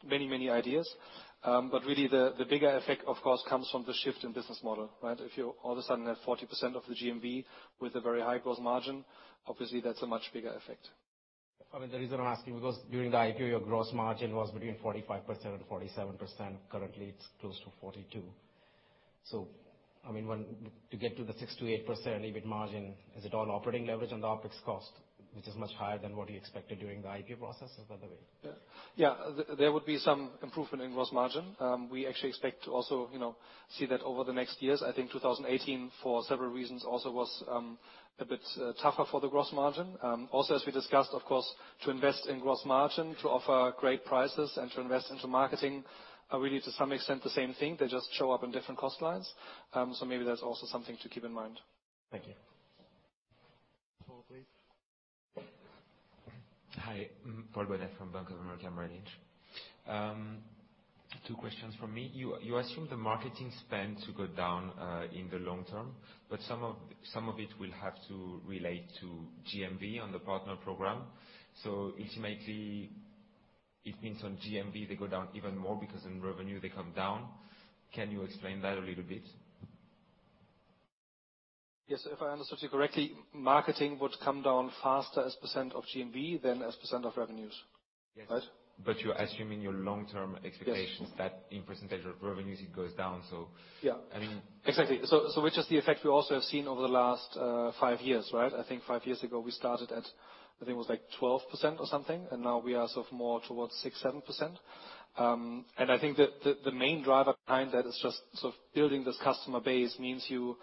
many ideas. Really the bigger effect, of course, comes from the shift in business model, right? If you all of a sudden have 40% of the GMV with a very high gross margin, obviously that's a much bigger effect. The reason I'm asking because during the IPO, your gross margin was between 45% and 47%. Currently, it's close to 42%. To get to the 6%-8% EBIT margin, is it all operating leverage on the OpEx cost, which is much higher than what you expected during the IPO process, by the way? Yeah. There would be some improvement in gross margin. We actually expect to also see that over the next years. I think 2018, for several reasons, also was a bit tougher for the gross margin. Also, as we discussed, of course, to invest in gross margin, to offer great prices and to invest into marketing are really to some extent the same thing. They just show up in different cost lines. Maybe that's also something to keep in mind. Thank you. Paul, please. Hi, Paul Bonnet from Bank of America Merrill Lynch. Two questions from me. You assume the marketing spend to go down in the long term, but some of it will have to relate to GMV on the Partner Program. Ultimately, it means on GMV, they go down even more because in revenue, they come down. Can you explain that a little bit? Yes. If I understood you correctly, marketing would come down faster as percent of GMV than as percent of revenues. Yes. Right? You're assuming your long-term expectations. Yes. That in percentage of revenues, it goes down. Yeah. I mean. Exactly. Which is the effect we also have seen over the last five years, right? I think five years ago, we started at, I think it was 12% or something, and now we are more towards 6%, 7%. I think the main driver behind that is just building this customer base means you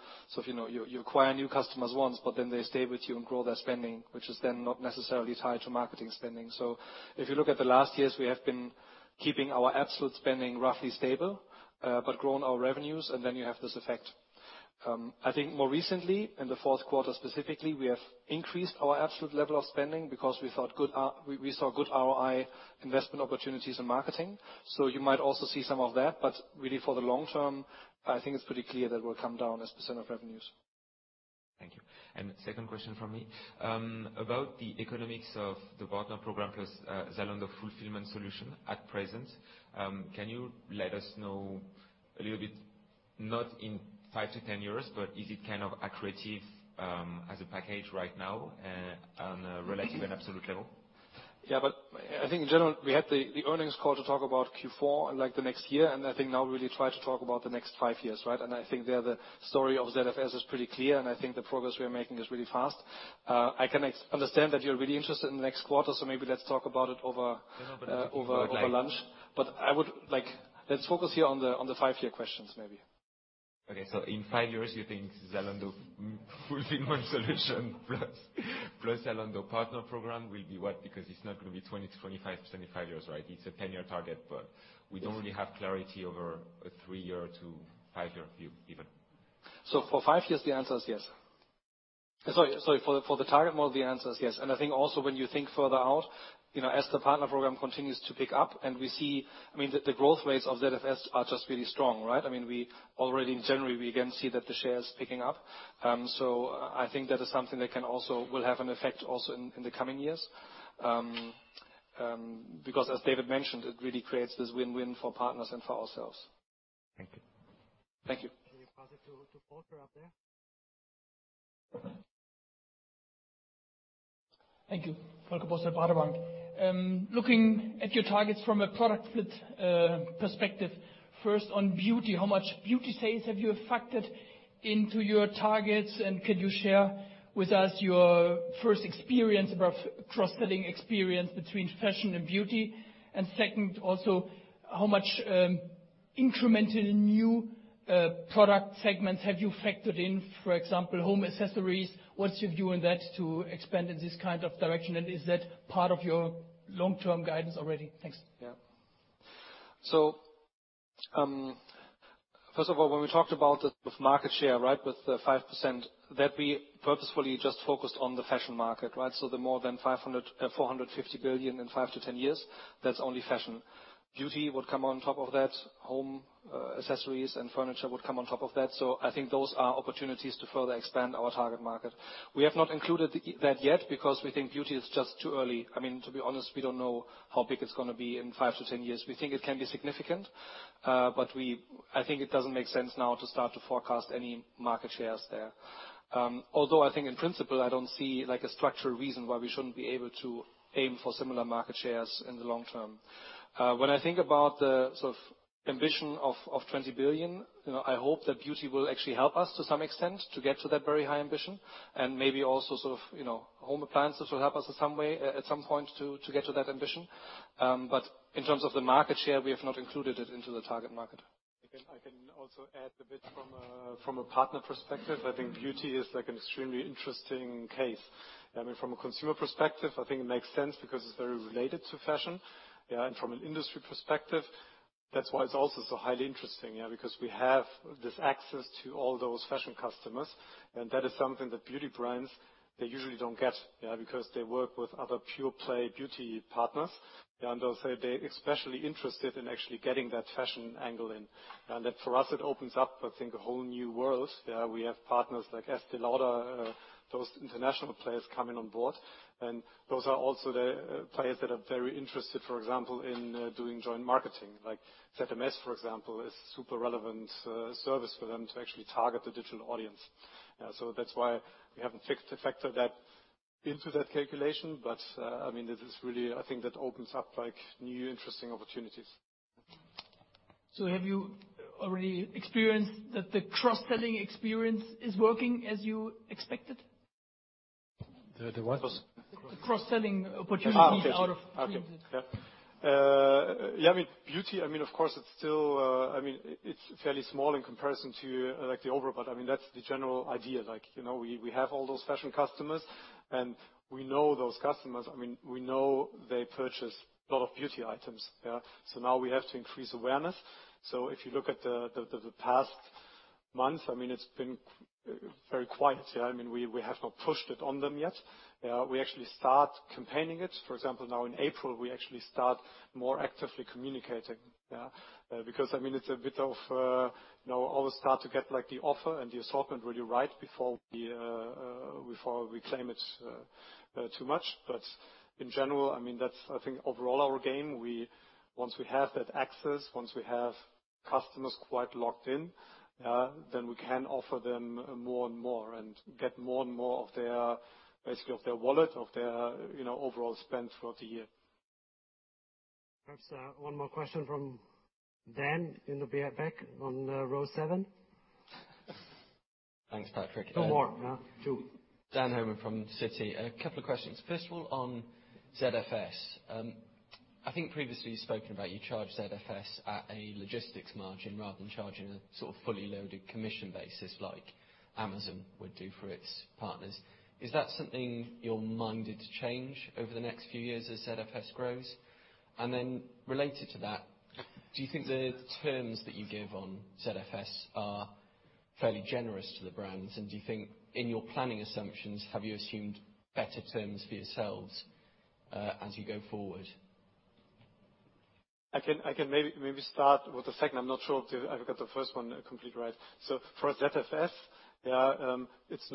acquire new customers once, but then they stay with you and grow their spending, which is then not necessarily tied to marketing spending. If you look at the last years, we have been keeping our absolute spending roughly stable, but grown our revenues, you have this effect. I think more recently, in the fourth quarter specifically, we have increased our absolute level of spending because we saw good ROI investment opportunities in marketing. You might also see some of that, really for the long term, I think it's pretty clear that will come down as percent of revenues. Thank you. Second question from me. About the economics of the Partner Program, plus Zalando Fulfillment Solutions at present, can you let us know a little bit, not in 5-10 years, but is it kind of accretive, as a package right now on a relative and absolute level? I think in general, we had the earnings call to talk about Q4 and like the next year, I think now we really try to talk about the next five years, right? I think there, the story of ZFS is pretty clear, I think the progress we are making is really fast. I can understand that you're really interested in the next quarter, maybe let's talk about it over lunch. No, but— Let's focus here on the five-year questions maybe. In five years, you think Zalando Fulfillment Solutions plus Zalando Partner Program will be what? Because it's not going to be 20-25 years, right? It's a 10-year target. We don't really have clarity over a three-year to five-year view, even. For five years, the answer is yes. Sorry. For the target model, the answer is yes. I think also when you think further out, as the Partner Program continues to pick up and we see that the growth rates of ZFS are just really strong, right? Already in January, we again see that the share is picking up. I think that is something that will have an effect also in the coming years. As David mentioned, it really creates this win-win for partners and for ourselves. Thank you. Thank you. We pass it to Volker up there. Thank you. Volker Bosse, Baader Bank. Looking at your targets from a product fit perspective. First, on beauty, how much beauty sales have you factored into your targets, and can you share with us your first experience above cross-selling experience between fashion and beauty? Second, also, how much incremental new product segments have you factored in, for example, home accessories? What's your view on that to expand in this kind of direction, and is that part of your long-term guidance already? Thanks. Yeah. First of all, when we talked about it with market share with the 5%, that we purposefully just focused on the fashion market. The more than 450 billion in 5-10 years, that's only fashion. Beauty would come on top of that. Home accessories and furniture would come on top of that. I think those are opportunities to further expand our target market. We have not included that yet because we think beauty is just too early. To be honest, we don't know how big it's going to be in 5-10 years. We think it can be significant, but I think it doesn't make sense now to start to forecast any market shares there. Although I think in principle, I don't see a structural reason why we shouldn't be able to aim for similar market shares in the long term. When I think about the ambition of 20 billion, I hope that beauty will actually help us to some extent to get to that very high ambition and maybe also home appliances will help us in some way at some point to get to that ambition. In terms of the market share, we have not included it into the target market. I can also add a bit from a partner perspective. I think beauty is an extremely interesting case. From a consumer perspective, I think it makes sense because it's very related to fashion. From an industry perspective, that's why it's also so highly interesting. We have this access to all those fashion customers, and that is something that beauty brands, they usually don't get. They work with other pure play beauty partners. Also, they're especially interested in actually getting that fashion angle in. That for us, it opens up, I think, a whole new world. We have partners like Estée Lauder, those international players coming on board. Those are also the players that are very interested, for example, in doing joint marketing like ZMS, for example, is super relevant service for them to actually target the digital audience. That's why we haven't factored that into that calculation. This is really, I think, that opens up new interesting opportunities. Have you already experienced that the cross-selling experience is working as you expected? The what? The cross-selling opportunity out of— Okay. Yeah. Beauty, of course, it's fairly small in comparison to the overall. That's the general idea. We have all those fashion customers, and we know those customers. We know they purchase a lot of beauty items. Now we have to increase awareness. If you look at the past month, it's been very quiet. We have not pushed it on them yet. We actually start campaigning it. For example, now in April, we actually start more actively communicating. It's a bit of always start to get the offer and the assortment really right before we claim it too much. In general, that's I think overall our game. Once we have that access, once we have customers quite locked in, then we can offer them more and more and get more and more basically of their wallet, of their overall spend throughout the year. Perhaps one more question from Dan in the back on row seven. Thanks, Patrick. No more. Two. Dan Homan from Citi. A couple of questions. First of all, on ZFS. I think previously you've spoken about you charge ZFS at a logistics margin rather than charging a sort of fully loaded commission basis like Amazon would do for its partners. Is that something you're minded to change over the next few years as ZFS grows? Related to that, do you think the terms that you give on ZFS are fairly generous to the brands? Do you think, in your planning assumptions, have you assumed better terms for yourselves as you go forward? I can maybe start with the second. I'm not sure if I've got the first one completely right. For ZFS, it's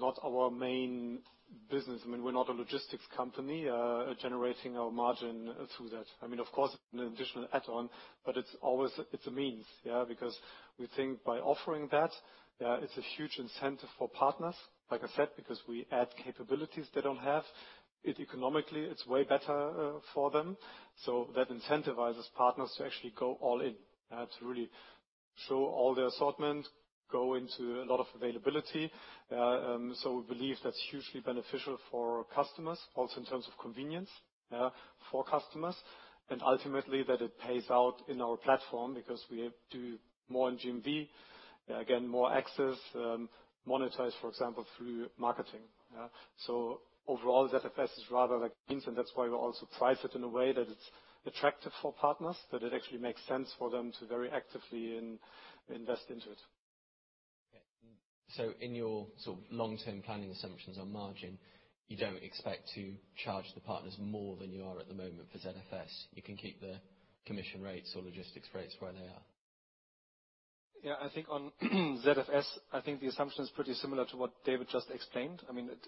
not our main business. We're not a logistics company generating our margin through that. Of course, it's an additional add-on, but it's a means. We think by offering that, it's a huge incentive for partners, like I said, because we add capabilities they don't have. Economically, it's way better for them. That incentivizes partners to actually go all in, to really show all their assortment, go into a lot of availability. We believe that's hugely beneficial for customers, also in terms of convenience for customers, and ultimately that it pays out in our platform because we do more in GMV, again, more access, monetize, for example, through marketing. Overall, ZFS is rather like means, and that's why we also price it in a way that it's attractive for partners, that it actually makes sense for them to very actively invest into it. Okay. In your long-term planning assumptions on margin, you don't expect to charge the partners more than you are at the moment for ZFS. You can keep the commission rates or logistics rates where they are. Yeah, I think on ZFS, the assumption is pretty similar to what David just explained.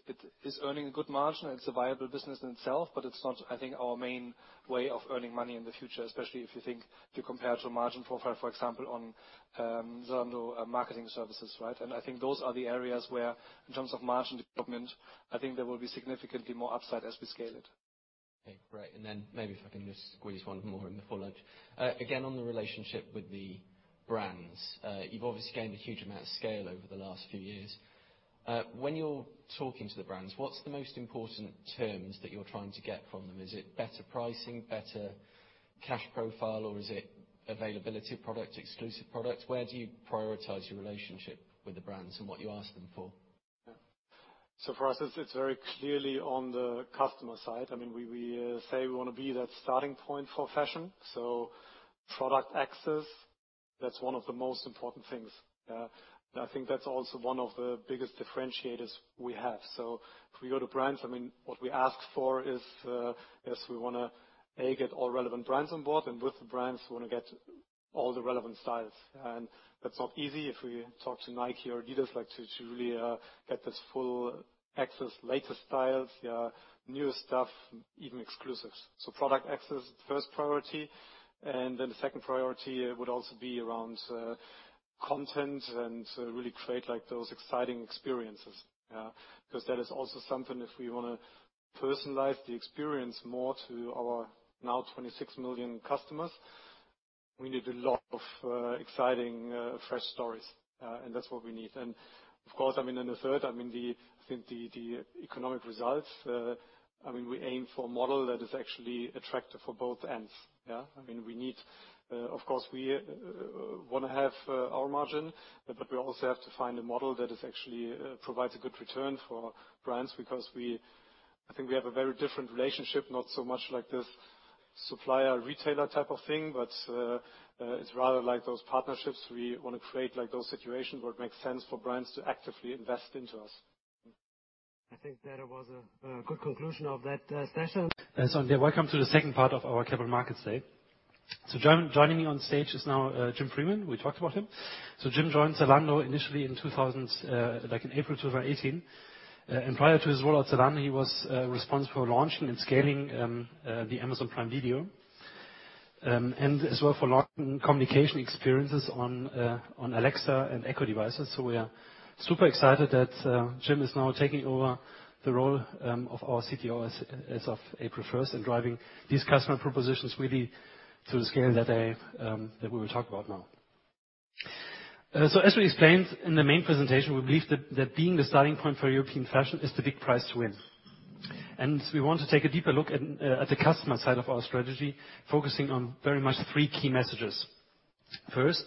It is earning a good margin and it's a viable business in itself, but it's not, I think, our main way of earning money in the future, especially if you compare to margin profile, for example, on Zalando Marketing Services. I think those are the areas where in terms of margin development, I think there will be significantly more upside as we scale it. Okay, great. Maybe if I can just squeeze one more in before lunch. Again, on the relationship with the brands. You've obviously gained a huge amount of scale over the last few years. When you're talking to the brands, what's the most important terms that you're trying to get from them? Is it better pricing, better cash profile, or is it availability of product, exclusive product? Where do you prioritize your relationship with the brands and what you ask them for? For us, it's very clearly on the customer side. We say we want to be that starting point for fashion. Product access, that's one of the most important things. I think that's also one of the biggest differentiators we have. If we go to brands, what we ask for is, yes, we want to, A, get all relevant brands on board, with the brands, we want to get all the relevant styles. That's not easy. If we talk to Nike or Adidas, to really get this full access, latest styles, newer stuff, even exclusives. Product access, first priority. The second priority would also be around content and really create those exciting experiences. That is also something if we want to personalize the experience more to our now 26 million customers, we need a lot of exciting fresh stories. That's what we need. Of course, the third, I think the economic results. We aim for a model that is actually attractive for both ends. Of course, we want to have our margin, we also have to find a model that actually provides a good return for brands because I think we have a very different relationship, not so much like this supplier-retailer type of thing, it's rather like those partnerships. We want to create those situations where it makes sense for brands to actively invest into us. I think that was a good conclusion of that session. Welcome to the second part of our Capital Markets Day. Joining me on stage is now Jim Freeman. We talked about him. Jim joined Zalando initially in April 2018. Prior to his role at Zalando, he was responsible for launching and scaling the Amazon Prime Video. As well for launching communication experiences on Alexa and Echo devices. We are super excited that Jim is now taking over the role of our CTO as of April 1st and driving these customer propositions really to the scale that we will talk about now. As we explained in the main presentation, we believe that being the starting point for European fashion is the big prize to win. We want to take a deeper look at the customer side of our strategy, focusing on very much three key messages. First,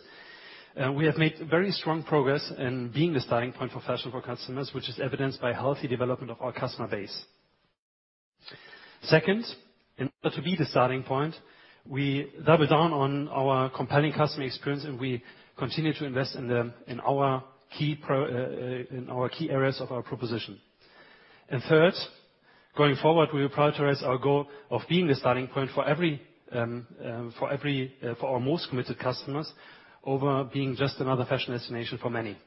we have made very strong progress in being the starting point for fashion for customers, which is evidenced by healthy development of our customer base. Second, in order to be the starting point, we double down on our compelling customer experience and we continue to invest in our key areas of our proposition. Third, going forward, we prioritize our goal of being the starting point for our most committed customers over being just another fashion destination for many.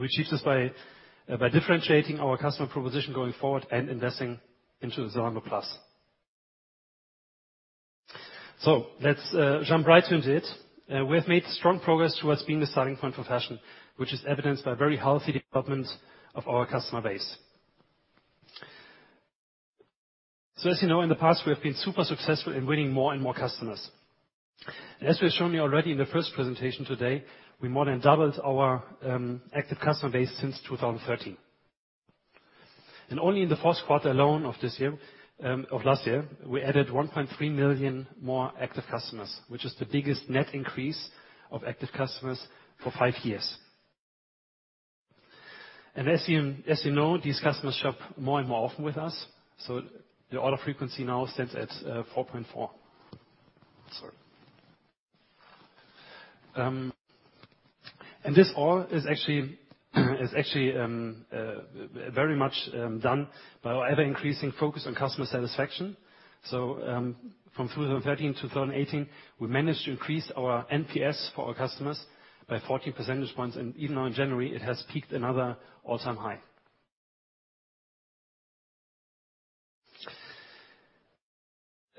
We achieve this by differentiating our customer proposition going forward and investing into Zalando Plus. Let's jump right into it. We have made strong progress towards being the starting point for fashion, which is evidenced by very healthy development of our customer base. As you know, in the past, we have been super successful in winning more and more customers. As we have shown you already in the first presentation today, we more than doubled our active customer base since 2013. Only in the fourth quarter alone of last year, we added 1.3 million more active customers, which is the biggest net increase of active customers for five years. As you know, these customers shop more and more often with us. The order frequency now stands at 4.4. Sorry. This all is actually very much done by our ever-increasing focus on customer satisfaction. From 2013-2018, we managed to increase our NPS for our customers by 14 percentage points. Even now in January, it has peaked another all-time high.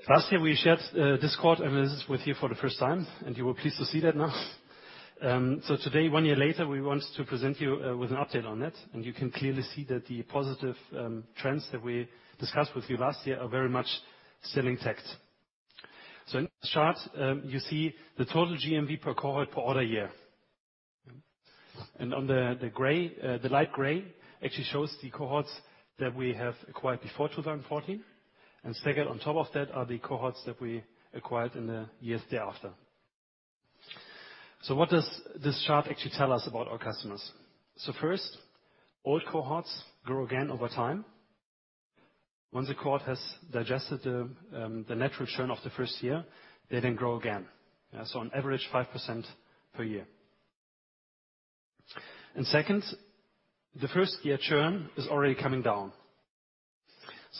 Last year, we shared this quote with you for the first time, and you were pleased to see that now. Today, one year later, we want to present you with an update on it. You can clearly see that the positive trends that we discussed with you last year are very much still intact. In this chart, you see the total GMV per cohort per order year. On the light gray, actually shows the cohorts that we have acquired before 2014. Second, on top of that, are the cohorts that we acquired in the years thereafter. What does this chart actually tell us about our customers? First, old cohorts grow again over time. Once a cohort has digested the natural churn of the first year, they then grow again. On average, 5% per year. Second, the first-year churn is already coming down.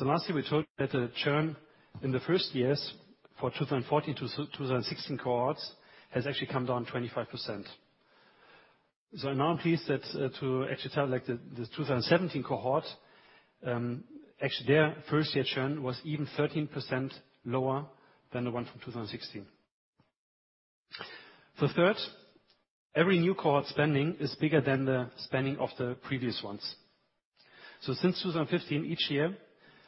Lastly, we showed that the churn in the first years for 2014-2016 cohorts has actually come down 25%. I'm now pleased that to actually tell, the 2017 cohort, actually their first-year churn was even 13% lower than the one from 2016. Third, every new cohort spending is bigger than the spending of the previous ones. Since 2015, each year,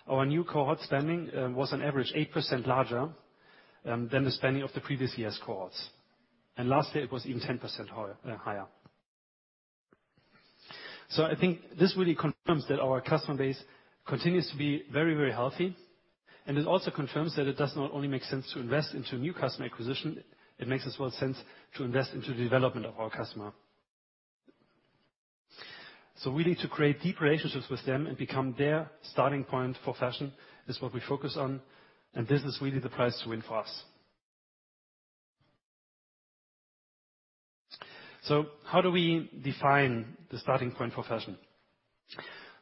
our new cohort spending was on average 8% larger than the spending of the previous year's cohorts. Lastly, it was even 10% higher. I think this really confirms that our customer base continues to be very healthy. It also confirms that it does not only make sense to invest into new customer acquisition, it makes as well sense to invest into the development of our customer. We need to create deep relationships with them and become their starting point for fashion, is what we focus on. This is really the prize to win for us. How do we define the starting point for fashion?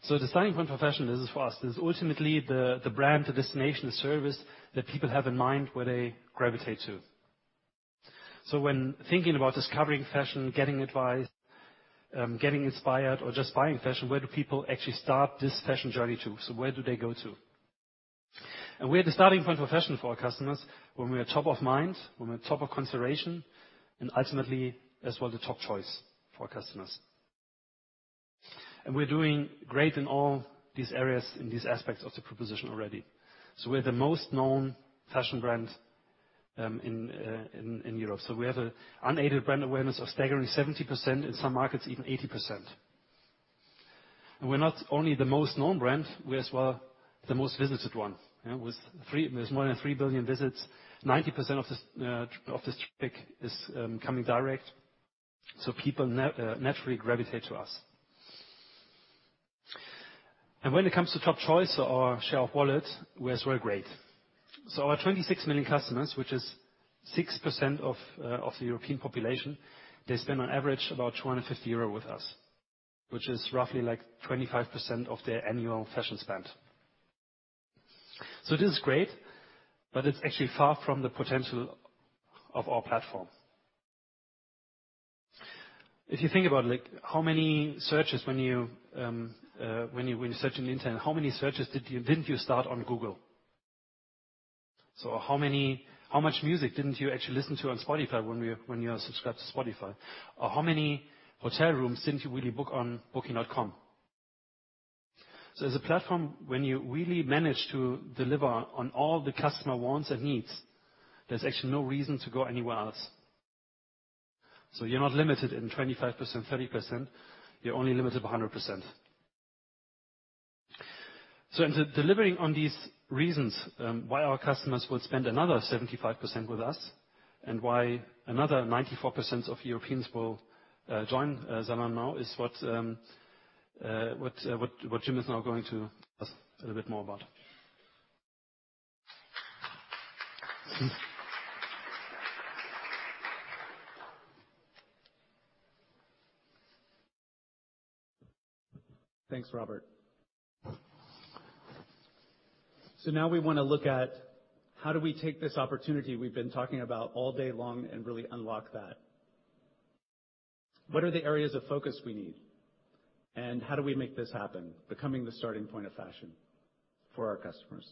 The starting point for fashion, this is for us. This is ultimately the brand, the destination, the service that people have in mind where they gravitate to. When thinking about discovering fashion, getting advice, getting inspired, or just buying fashion, where do people actually start this fashion journey to? Where do they go to? We are the starting point for fashion for our customers when we are top of mind, when we're top of consideration, and ultimately as well the top choice for our customers. We're doing great in all these areas, in these aspects of the proposition already. We're the most known fashion brand in Europe. We have unaided brand awareness of a staggering 70%, in some markets, even 80%. We're not only the most known brand, we're as well the most visited one. With more than 3 billion visits, 90% of this traffic is coming direct. People naturally gravitate to us. When it comes to top choice or share of wallet, we're as well great. Our 26 million customers, which is 6% of the European population, they spend on average about 250 euro with us, which is roughly like 25% of their annual fashion spend. It is great, but it's actually far from the potential of our platform. If you think about how many searches when you search on the internet, how many searches didn't you start on Google? How much music didn't you actually listen to on Spotify when you are subscribed to Spotify? How many hotel rooms didn't you really book on Booking.com? As a platform, when you really manage to deliver on all the customer wants and needs, there's actually no reason to go anywhere else. You're not limited in 25%, 30%. You're only limited by 100%. In delivering on these reasons why our customers would spend another 75% with us and why another 94% of Europeans will join Zalando now is what Jim is now going to tell us a little bit more about. Thanks, Robert. Now we want to look at how do we take this opportunity we've been talking about all day long and really unlock that. What are the areas of focus we need, and how do we make this happen, becoming the starting point of fashion for our customers?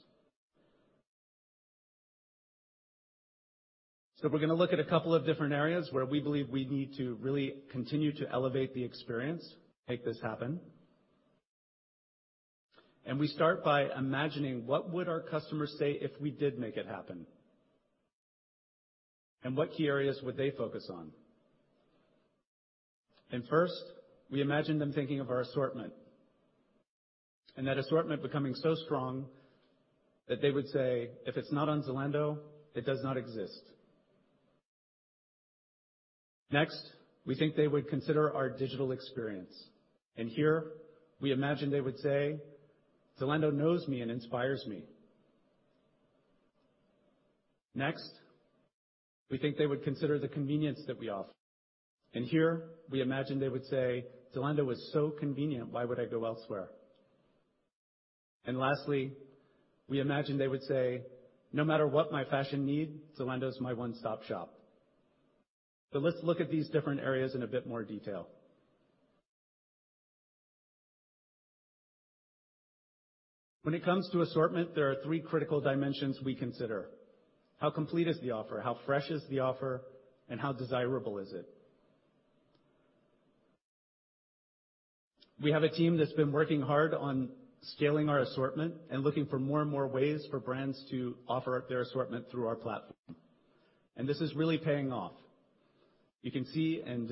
We're going to look at a couple of different areas where we believe we need to really continue to elevate the experience, make this happen. We start by imagining what would our customers say if we did make it happen. What key areas would they focus on? First, we imagine them thinking of our assortment, and that assortment becoming so strong that they would say: If it's not on Zalando, it does not exist. We think they would consider our digital experience. Here, we imagine they would say: Zalando knows me and inspires me. We think they would consider the convenience that we offer. Here, we imagine they would say: Zalando is so convenient. Why would I go elsewhere? Lastly, we imagine they would say: No matter what my fashion need, Zalando is my one-stop-shop. Let's look at these different areas in a bit more detail. When it comes to assortment, there are three critical dimensions we consider. How complete is the offer? How fresh is the offer? How desirable is it? We have a team that's been working hard on scaling our assortment and looking for more and more ways for brands to offer up their assortment through our platform. This is really paying off. You can see in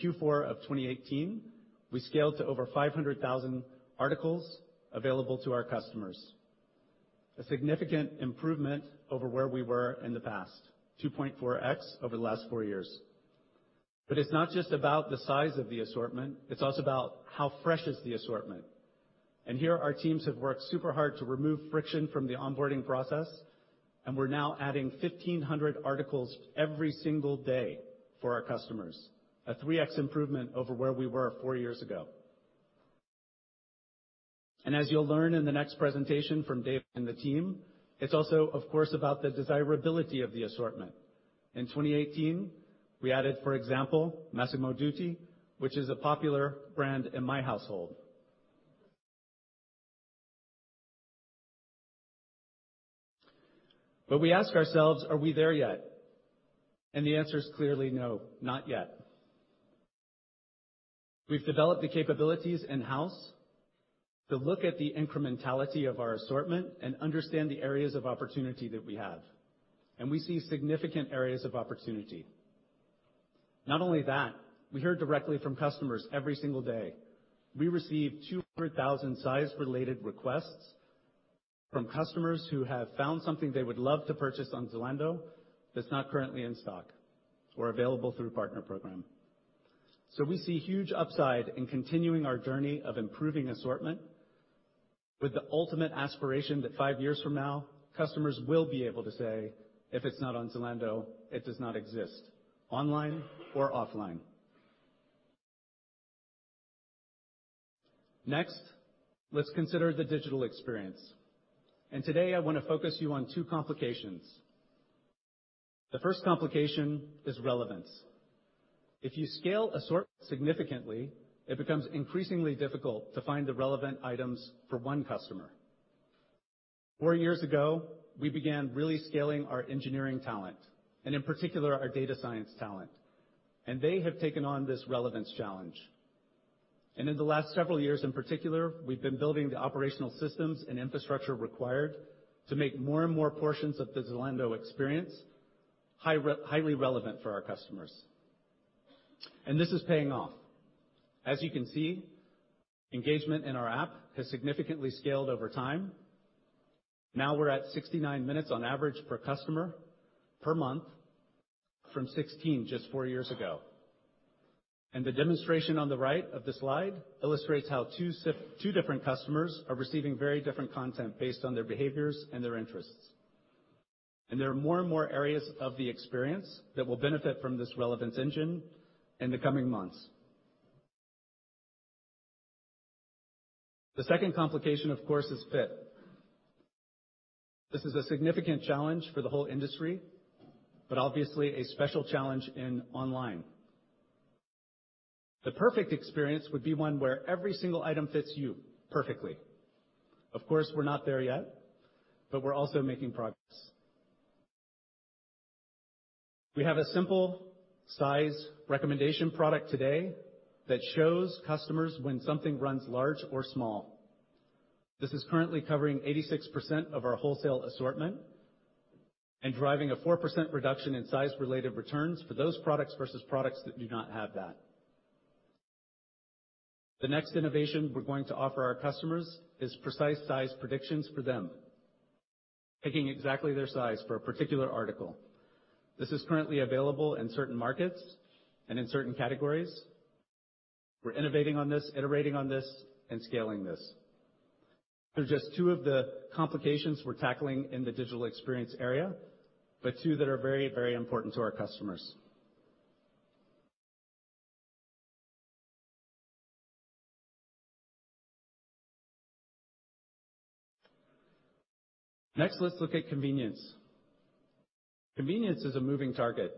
Q4 of 2018, we scaled to over 500,000 articles available to our customers. A significant improvement over where we were in the past, 2.4x over the last four years. It's not just about the size of the assortment, it's also about how fresh is the assortment. Here, our teams have worked super hard to remove friction from the onboarding process, and we're now adding 1,500 articles every single day for our customers. A 3x improvement over where we were four years ago. As you'll learn in the next presentation from Dave and the team, it's also, of course, about the desirability of the assortment. In 2018, we added, for example, Massimo Dutti, which is a popular brand in my household. We ask ourselves, are we there yet? The answer is clearly no, not yet. We've developed the capabilities in-house to look at the incrementality of our assortment and understand the areas of opportunity that we have. We see significant areas of opportunity. Not only that, we hear directly from customers every single day. We receive 200,000 size-related requests from customers who have found something they would love to purchase on Zalando that's not currently in stock or available through Partner Program. We see huge upside in continuing our journey of improving assortment with the ultimate aspiration that five years from now, customers will be able to say: If it's not on Zalando, it does not exist, online or offline. Let's consider the digital experience. Today, I want to focus you on two complications. The first complication is relevance. If you scale assortment significantly, it becomes increasingly difficult to find the relevant items for one customer. Four years ago, we began really scaling our engineering talent, and in particular, our data science talent. They have taken on this relevance challenge. In the last several years in particular, we've been building the operational systems and infrastructure required to make more and more portions of the Zalando experience highly relevant for our customers. This is paying off. As you can see, engagement in our app has significantly scaled over time. We're at 69 minutes on average per customer, per month, from 16 just 4 years ago. The demonstration on the right of this slide illustrates how two different customers are receiving very different content based on their behaviors and their interests. There are more and more areas of the experience that will benefit from this relevance engine in the coming months. The second complication, of course, is fit. This is a significant challenge for the whole industry, but obviously a special challenge in online. The perfect experience would be one where every single item fits you perfectly. Of course, we're not there yet, but we're also making progress. We have a simple size recommendation product today that shows customers when something runs large or small. This is currently covering 86% of our wholesale assortment and driving a 4% reduction in size-related returns for those products versus products that do not have that. The next innovation we're going to offer our customers is precise size predictions for them, picking exactly their size for a particular article. This is currently available in certain markets and in certain categories. We're innovating on this, iterating on this, and scaling this. They're just two of the complications we're tackling in the digital experience area, but two that are very important to our customers. Next, let's look at convenience. Convenience is a moving target.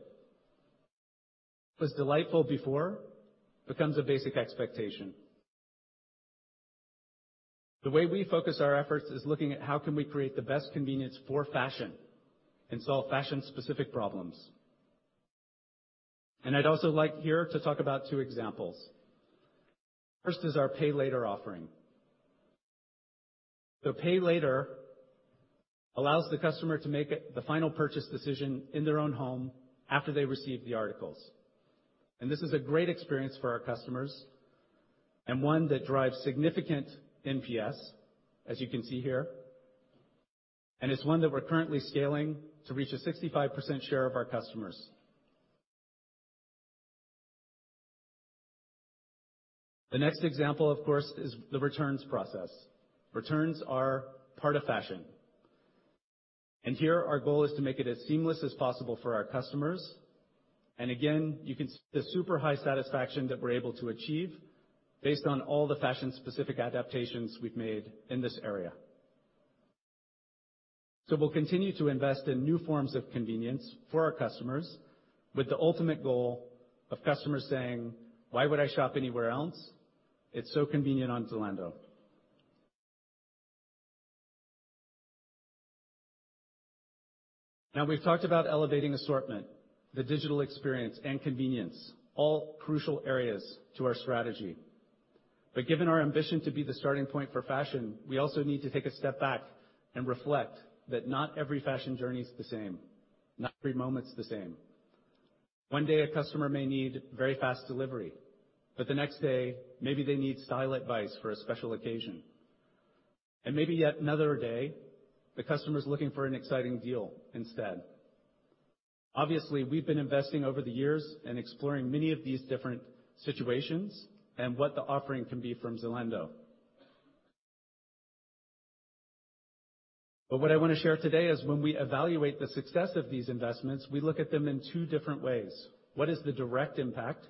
What was delightful before becomes a basic expectation. The way we focus our efforts is looking at how can we create the best convenience for fashion and solve fashion-specific problems. I'd also like here to talk about two examples. First is our Pay Later offering. Pay Later allows the customer to make the final purchase decision in their own home after they receive the articles. This is a great experience for our customers, and one that drives significant NPS, as you can see here. It's one that we're currently scaling to reach a 65% share of our customers. The next example, of course, is the returns process. Returns are part of fashion. Here our goal is to make it as seamless as possible for our customers. Again, you can see the super high satisfaction that we're able to achieve based on all the fashion-specific adaptations we've made in this area. We'll continue to invest in new forms of convenience for our customers with the ultimate goal of customers saying: Why would I shop anywhere else? It's so convenient on Zalando. We've talked about elevating assortment, the digital experience, and convenience, all crucial areas to our strategy. Given our ambition to be the starting point for fashion, we also need to take a step back and reflect that not every fashion journey's the same, not every moment's the same. One day a customer may need very fast delivery, but the next day maybe they need style advice for a special occasion. Maybe yet another day, the customer's looking for an exciting deal instead. Obviously, we've been investing over the years and exploring many of these different situations and what the offering can be from Zalando. What I want to share today is when we evaluate the success of these investments, we look at them in two different ways. What is the direct impact?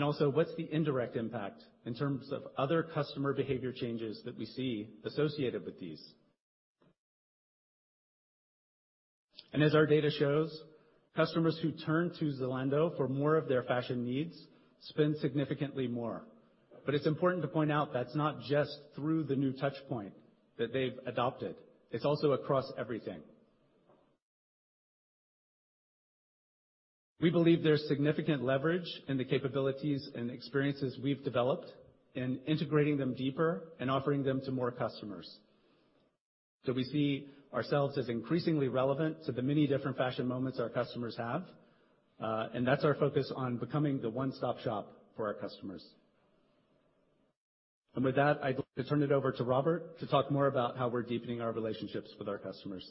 Also, what's the indirect impact in terms of other customer behavior changes that we see associated with these? As our data shows, customers who turn to Zalando for more of their fashion needs spend significantly more. It's important to point out that's not just through the new touch point that they've adopted. It's also across everything. We believe there's significant leverage in the capabilities and experiences we've developed in integrating them deeper and offering them to more customers. We see ourselves as increasingly relevant to the many different fashion moments our customers have. That's our focus on becoming the one-stop shop for our customers. With that, I'd like to turn it over to Robert to talk more about how we're deepening our relationships with our customers.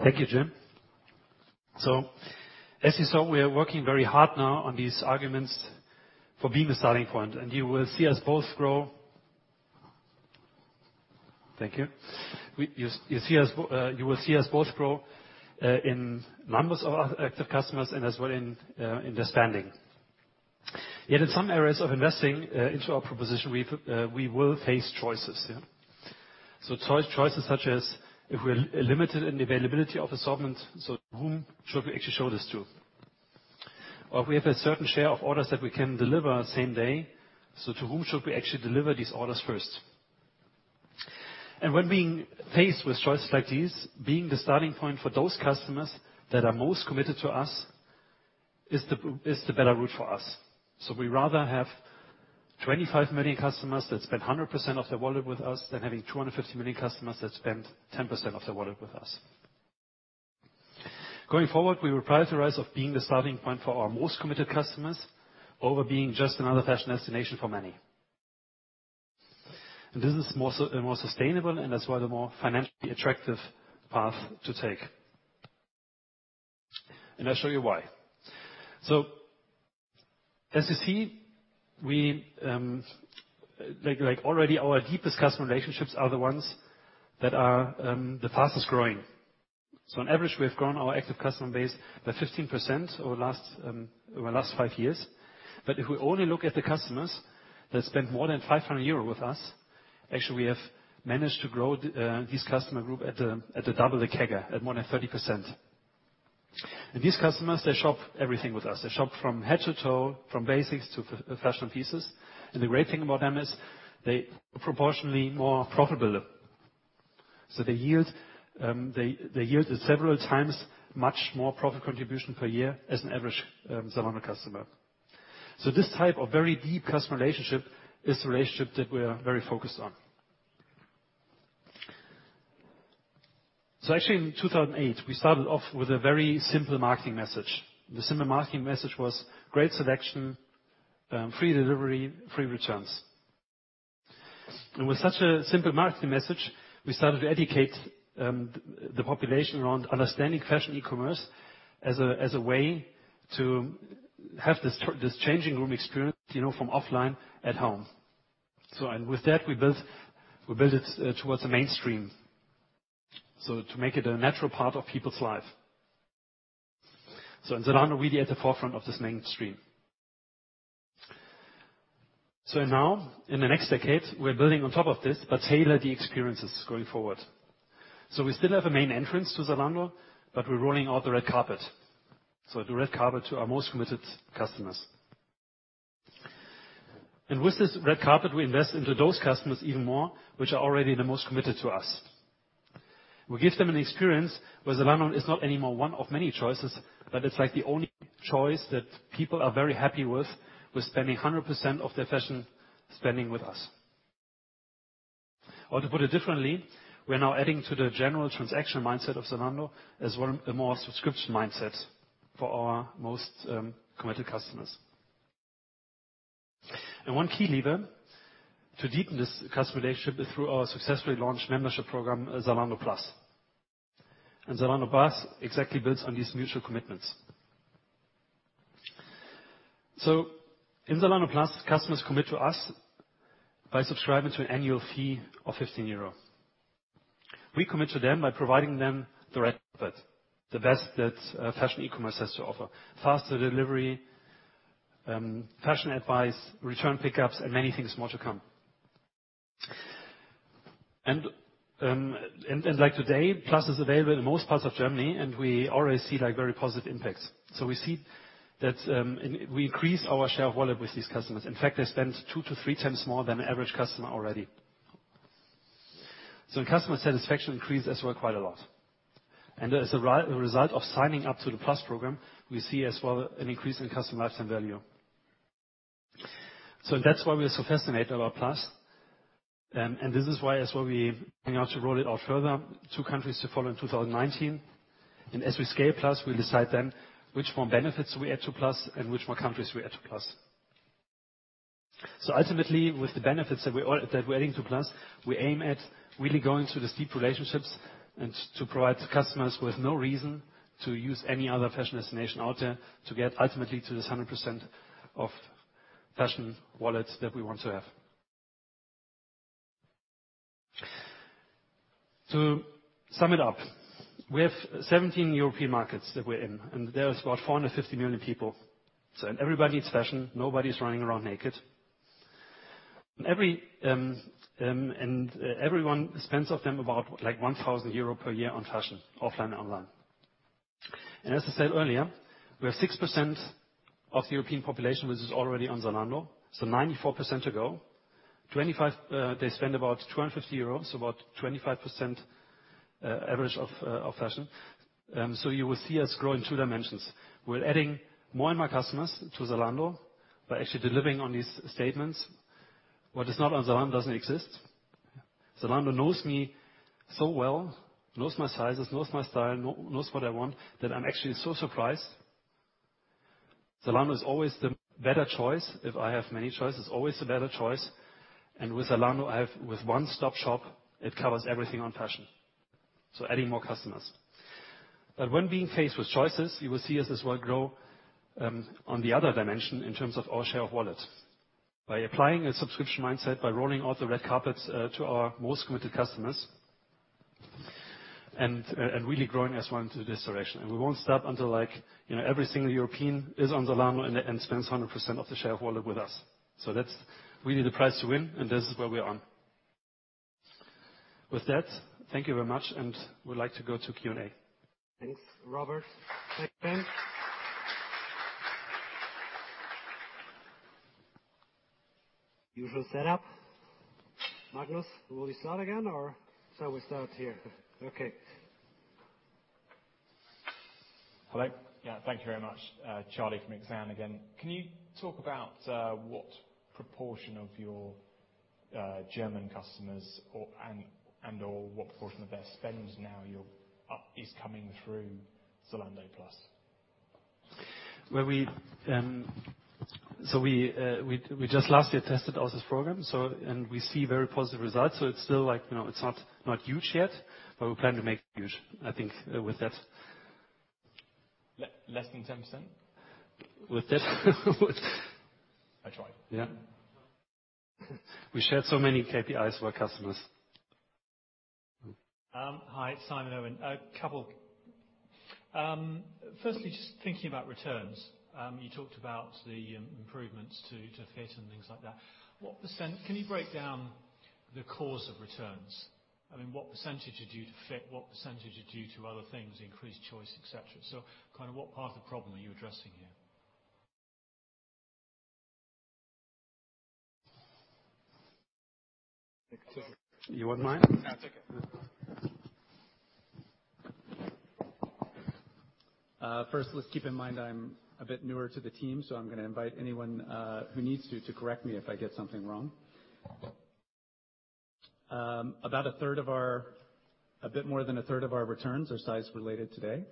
Thank you, Jim. As you saw, we are working very hard now on these arguments for being the starting point. You will see us both grow. Thank you. You will see us both grow in numbers of our active customers and as well in their spending. Yet in some areas of investing into our proposition, we will face choices, yeah. Choices such as if we're limited in availability of assortment, whom should we actually show this to? Or if we have a certain share of orders that we can deliver same day, to whom should we actually deliver these orders first? When being faced with choices like these, being the starting point for those customers that are most committed to us is the better route for us. We rather have 25 million customers that spend 100% of their wallet with us than having 250 million customers that spend 10% of their wallet with us. Going forward, we will prioritize of being the starting point for our most committed customers over being just another fashion destination for many. This is more sustainable and that's why the more financially attractive path to take. I'll show you why. As you see, already our deepest customer relationships are the ones that are the fastest-growing. On average, we have grown our active customer base by 15% over last five years. If we only look at the customers that spend more than 500 euro with us, actually we have managed to grow this customer group at the double the CAGR, at more than 30%. These customers, they shop everything with us. They shop from head to toe, from basics to professional pieces. The great thing about them is they are proportionally more profitable. They yield several times much more profit contribution per year as an average Zalando customer. This type of very deep customer relationship is the relationship that we are very focused on. Actually in 2008, we started off with a very simple marketing message. The simple marketing message was great selection, free delivery, free returns. With such a simple marketing message, we started to educate the population around understanding fashion e-commerce as a way to have this changing room experience from offline at home. With that, we built it towards the mainstream. To make it a natural part of people's life. In Zalando, we're really at the forefront of this mainstream. Now in the next decade, we're building on top of this, but tailor the experiences going forward. We still have a main entrance to Zalando, but we're rolling out the red carpet. The red carpet to our most committed customers. With this red carpet, we invest into those customers even more, which are already the most committed to us. We give them an experience where Zalando is not anymore one of many choices, but it's like the only choice that people are very happy with spending 100% of their fashion spending with us. To put it differently, we're now adding to the general transaction mindset of Zalando as one, a more subscription mindset for our most committed customers. One key lever to deepen this customer relationship is through our successfully launched membership program, Zalando Plus. Zalando Plus exactly builds on these mutual commitments. In Zalando Plus, customers commit to us by subscribing to an annual fee of 15 euro. We commit to them by providing them the red carpet, the best that fashion e-commerce has to offer. Faster delivery, fashion advice, return pickups, and many things more to come. Like today, Plus is available in most parts of Germany, and we already see very positive impacts. We see that we increased our share of wallet with these customers. In fact, they spend 2x-3x more than an average customer already. Customer satisfaction increased as well quite a lot. As a result of signing up to the Plus program, we see as well an increase in customer lifetime value. That's why we are so fascinated about Plus. This is why as well, we hang out to roll it out further, two countries to follow in 2019. As we scale Plus, we'll decide then which more benefits we add to Plus and which more countries we add to Plus. Ultimately, with the benefits that we're adding to Plus, we aim at really going to the steep relationships and to provide customers with no reason to use any other fashion destination out there to get ultimately to the 100% of fashion wallets that we want to have. To sum it up, we have 17 European markets that we're in, and there is about 450 million people. Everybody needs fashion. Nobody's running around naked. Everyone spends of them about like 1,000 euro per year on fashion, offline and online. As I said earlier, we have 6% of the European population which is already on Zalando, so 94% to go. They spend about 250 euros, so about 25% average of fashion. You will see us grow in two dimensions. We're adding more and more customers to Zalando by actually delivering on these statements. What is not on Zalando doesn't exist. Zalando knows me so well, knows my sizes, knows my style, knows what I want, that I'm actually so surprised. Zalando is always the better choice if I have many choices, always a better choice. With Zalando, I have with one-stop shop, it covers everything on fashion. Adding more customers. When being faced with choices, you will see us as well grow, on the other dimension in terms of our share of wallet. By applying a subscription mindset, by rolling out the red carpets to our most committed customers, and really growing as one to this direction. We won't stop until every single European is on Zalando and spends 100% of their share of wallet with us. That's really the prize to win, and this is where we're on. With that, thank you very much, and we'd like to go to Q&A. Thanks, Robert. Usual setup. Magnus, will you start again or shall we start here? Okay. Hello. Yeah, thank you very much. Charlie from Exane again. Can you talk about what proportion of your German customers and/or what proportion of their spend now is coming through Zalando Plus? We just last year tested out this program. We see very positive results. It's still not huge yet, but we plan to make it huge, I think, with that. Less than 10%? With that. I tried. Yeah. We share so many KPIs with our customers. Hi, Simon Owen. A couple. Just thinking about returns. You talked about the improvements to fit and things like that. Can you break down the cause of returns? What percent is due to fit? What percent is due to other things, increased choice, et cetera? What part of the problem are you addressing here? You want mine? No, take it. All right. First, let's keep in mind I'm a bit newer to the team, so I'm going to invite anyone who needs to correct me if I get something wrong. A bit more than a third of our returns are size related today.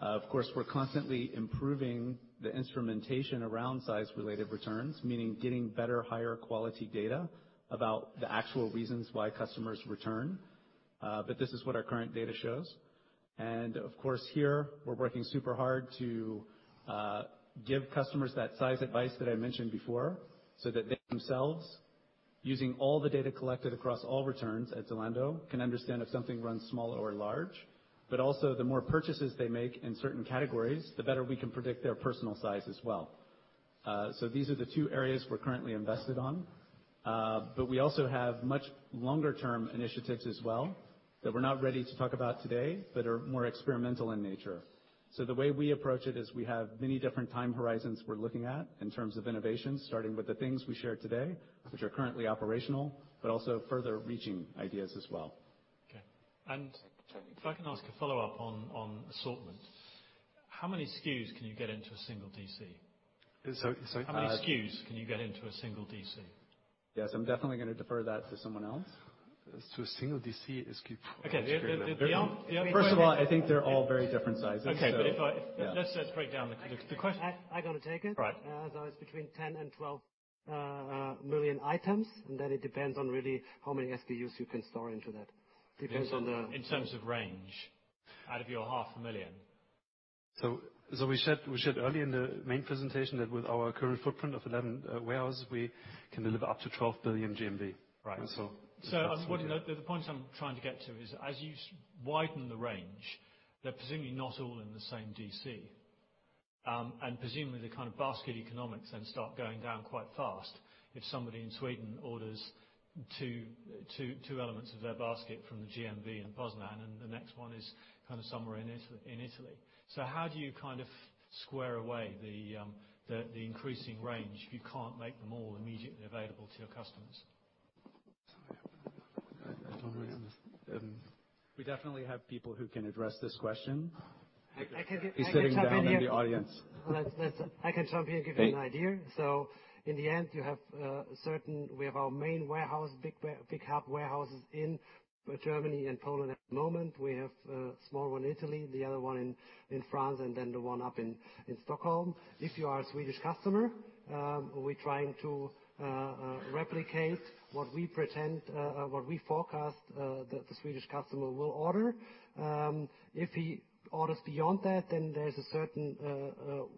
Of course, we're constantly improving the instrumentation around size related returns, meaning getting better, higher quality data about the actual reasons why customers return. This is what our current data shows. Of course, here we're working super hard to give customers that size advice that I mentioned before, so that they themselves, using all the data collected across all returns at Zalando, can understand if something runs small or large. Also the more purchases they make in certain categories, the better we can predict their personal size as well. These are the two areas we're currently invested on. We also have much longer-term initiatives as well that we're not ready to talk about today, that are more experimental in nature. The way we approach it is we have many different time horizons we're looking at in terms of innovations, starting with the things we shared today, which are currently operational, also further-reaching ideas as well. Okay. If I can ask a follow-up on assortment. How many SKUs can you get into a single DC? Sorry. How many SKUs can you get into a single DC? Yes, I'm definitely going to defer that to someone else. To a single DC, SKU. Okay. First of all, I think they're all very different sizes. Okay. Let's break down the question. I'm going to take it. Right. It's between 10 million and 12 million items, and then it depends on really how many SKUs you can store into that. Depends on the In terms of range, out of your half a million. We said earlier in the main presentation that with our current footprint of 11 warehouses, we can deliver up to 12 billion GMV. Right. Right, so— The point I'm trying to get to is, as you widen the range, they're presumably not all in the same DC. Presumably the kind of basket economics then start going down quite fast if somebody in Sweden orders two elements of their basket from the GMV in Poznań, and the next one is kind of somewhere in Italy. How do you square away the increasing range, if you can't make them all immediately available to your customers? We definitely have people who can address this question. I can— He's sitting down in the audience. I can jump in and give you an idea. In the end, we have our main warehouse, pick-up warehouses in Germany and Poland at the moment. We have a small one in Italy, the other one in France, and then the one up in Stockholm. If you are a Swedish customer, we're trying to replicate what we forecast that the Swedish customer will order. If he orders beyond that, then there's a certain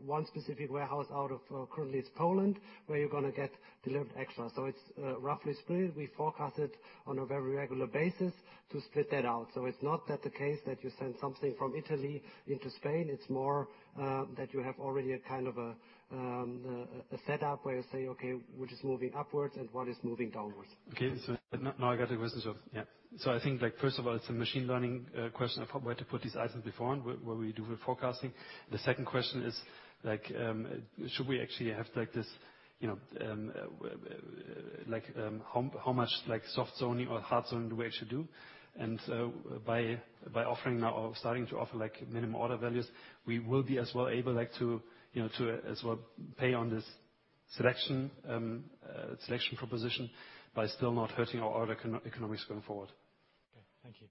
one specific warehouse out of, currently it's Poland, where you're going to get delivered extra. It's roughly split. We forecast it on a very regular basis to split that out. It's not the case that you send something from Italy into Spain. It's more that you have already a kind of a setup where you say: Okay, which is moving upwards and what is moving downwards? Okay. Now I got it. Yeah. I think, first of all, it's a machine learning question of where to put these items before and where we do the forecasting. The second question is should we actually have how much soft zoning or hard zoning do we actually do? By starting to offer minimum order values, we will be as well able to, you know, as well pay on this selection proposition by still not hurting our order economics going forward. Okay. Thank you.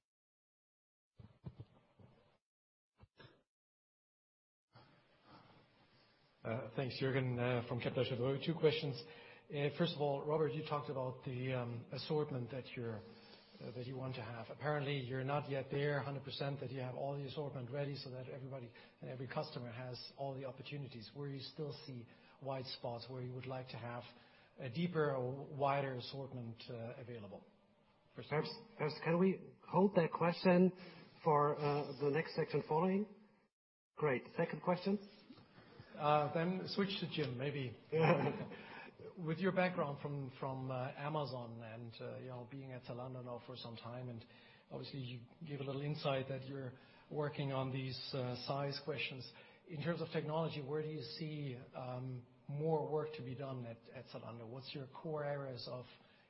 Thanks, Jürgen Kolb from Kepler Cheuvreux, two questions. First of all, Robert, you talked about the assortment that you want to have. Apparently you're not yet there 100% that you have all the assortment ready so that everybody and every customer has all the opportunities. Where you still see white spots where you would like to have a deeper or wider assortment available? Perhaps can we hold that question for the next section following? Great. Second question. Switch to Jim, maybe. With your background from Amazon and being at Zalando now for some time, and obviously you give a little insight that you're working on these size questions. In terms of technology, where do you see more work to be done at Zalando? What's your core areas of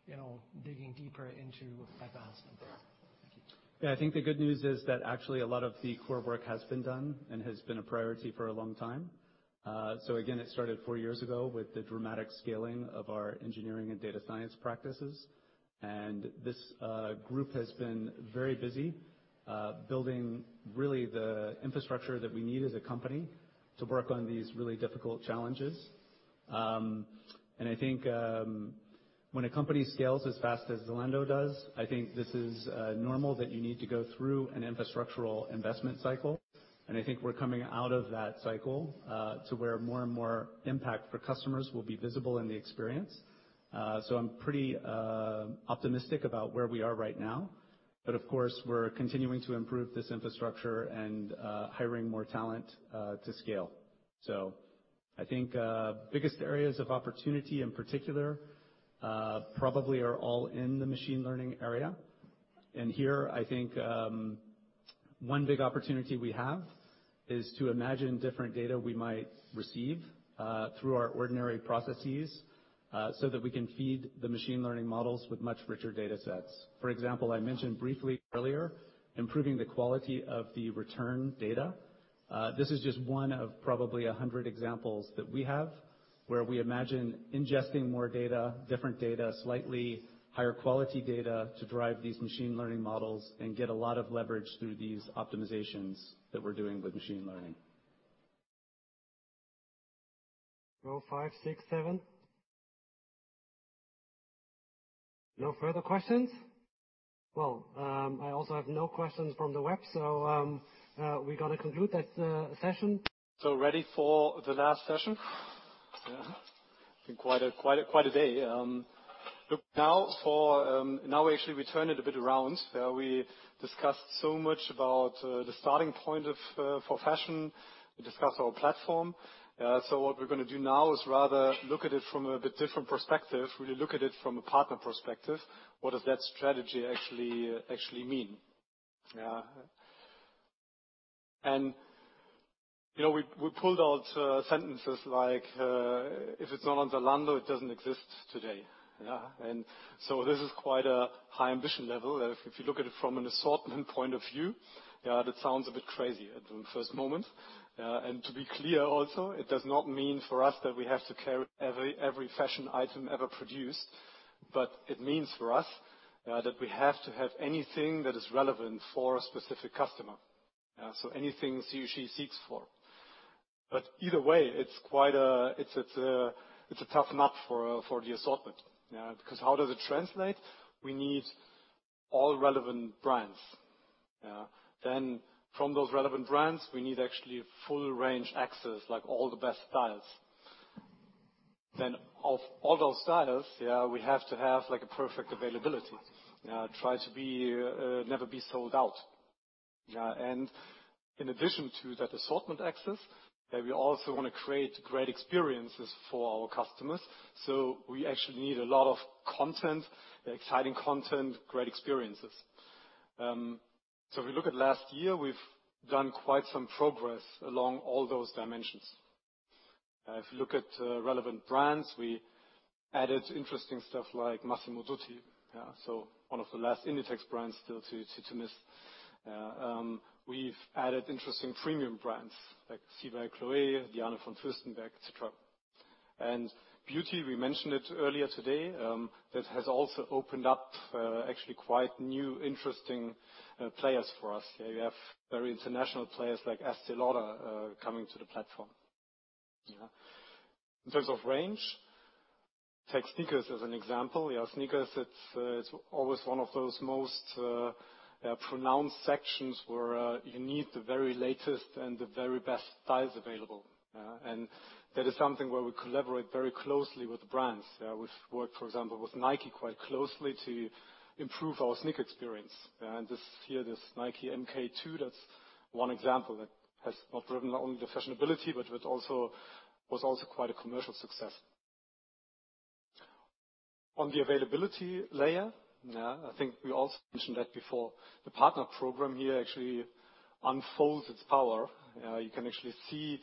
you know, digging deeper into advancement? Thank you. I think the good news is that actually a lot of the core work has been done and has been a priority for a long time. Again, it started four years ago with the dramatic scaling of our engineering and data science practices. This group has been very busy building really the infrastructure that we need as a company to work on these really difficult challenges. I think when a company scales as fast as Zalando does, I think this is normal that you need to go through an infrastructural investment cycle. I think we're coming out of that cycle, to where more and more impact for customers will be visible in the experience. I'm pretty optimistic about where we are right now, but of course we're continuing to improve this infrastructure and hiring more talent to scale. I think biggest areas of opportunity in particular, probably are all in the machine learning area. Here, I think one big opportunity we have is to imagine different data we might receive through our ordinary processes so that we can feed the machine learning models with much richer data sets. For example, I mentioned briefly earlier, improving the quality of the return data. This is just one of probably 100 examples that we have where we imagine ingesting more data, different data, slightly higher quality data to drive these machine learning models and get a lot of leverage through these optimizations that we're doing with machine learning. Row 5, 6, 7. No further questions? Well, I also have no questions from the web, we got to conclude that session. Ready for the last session? Yeah. Been quite a day. Now actually we turn it a bit around. We discussed so much about the starting point for fashion. We discussed our platform. What we're going to do now is rather look at it from a bit different perspective, really look at it from a partner perspective. What does that strategy actually mean? We pulled out sentences like: If it's not on Zalando, it doesn't exist today. This is quite a high ambition level. If you look at it from an assortment point of view, that sounds a bit crazy at the first moment. To be clear also, it does not mean for us that we have to carry every fashion item ever produced. It means for us that we have to have anything that is relevant for a specific customer. Anything she seeks for. Either way, it's a tough nut for the assortment. How does it translate? We need all relevant brands. From those relevant brands, we need actually full range access, like all the best styles. Of all those styles, we have to have a perfect availability. Try to never be sold out. In addition to that assortment access, we also want to create great experiences for our customers. We actually need a lot of content, exciting content, great experiences. If we look at last year, we've done quite some progress along all those dimensions. If you look at relevant brands, we added interesting stuff like Massimo Dutti. One of the last Inditex brands still to miss. We've added interesting premium brands like See by Chloé, Diane von Furstenberg, et cetera. Beauty, we mentioned it earlier today. That has also opened up actually quite new, interesting players for us. We have very international players like Estée Lauder coming to the platform. In terms of range, take sneakers as an example. Sneakers, it's always one of those most pronounced sections where you need the very latest and the very best styles available. That is something where we collaborate very closely with the brands. We've worked, for example, with Nike quite closely to improve our sneaker experience. This year, this Nike M2K Tekno, that's one example that has not driven only the fashionability, but was also quite a commercial success. On the availability layer, I think we also mentioned that before. The Partner Program here actually unfolds its power. You can actually see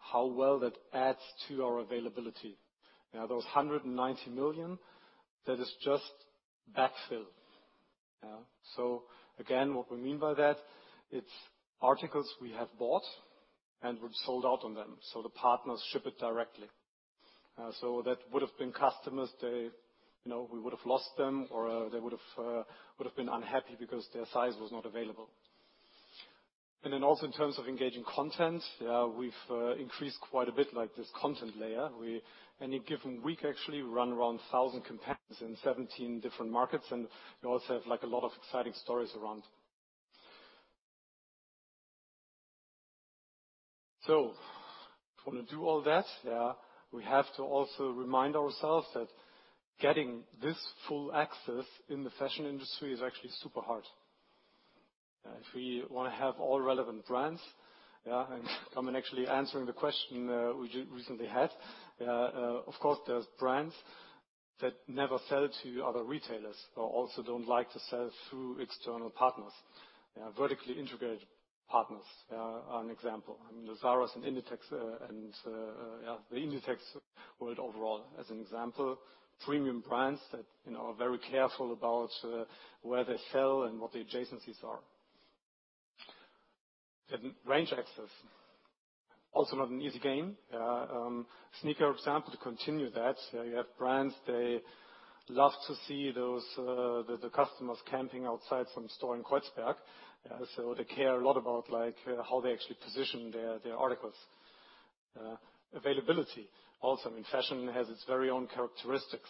how well that adds to our availability. Those 190 million, that is just backfill. Again, what we mean by that, it's articles we have bought, and we've sold out on them. The partners ship it directly. That would've been customers, we would've lost them or they would've been unhappy because their size was not available. Then also in terms of engaging content, we've increased quite a bit, like this content layer. Any given week actually, we run around 1,000 campaigns in 17 different markets. We also have a lot of exciting stories around. If want to do all that, we have to also remind ourselves that getting this full access in the fashion industry is actually super hard. If we want to have all relevant brands and coming actually answering the question we recently had. Of course, there's brands that never sell to other retailers or also don't like to sell through external partners. Vertically integrated partners are an example. The Zaras and Inditex and the Inditex world overall, as an example. Premium brands that are very careful about where they sell and what the adjacencies are. Range access, also not an easy game. Sneaker example to continue that. You have brands, they love to see the customers camping outside from store in Kreuzberg. They care a lot about how they actually position their articles. Availability also. I mean, fashion has its very own characteristics.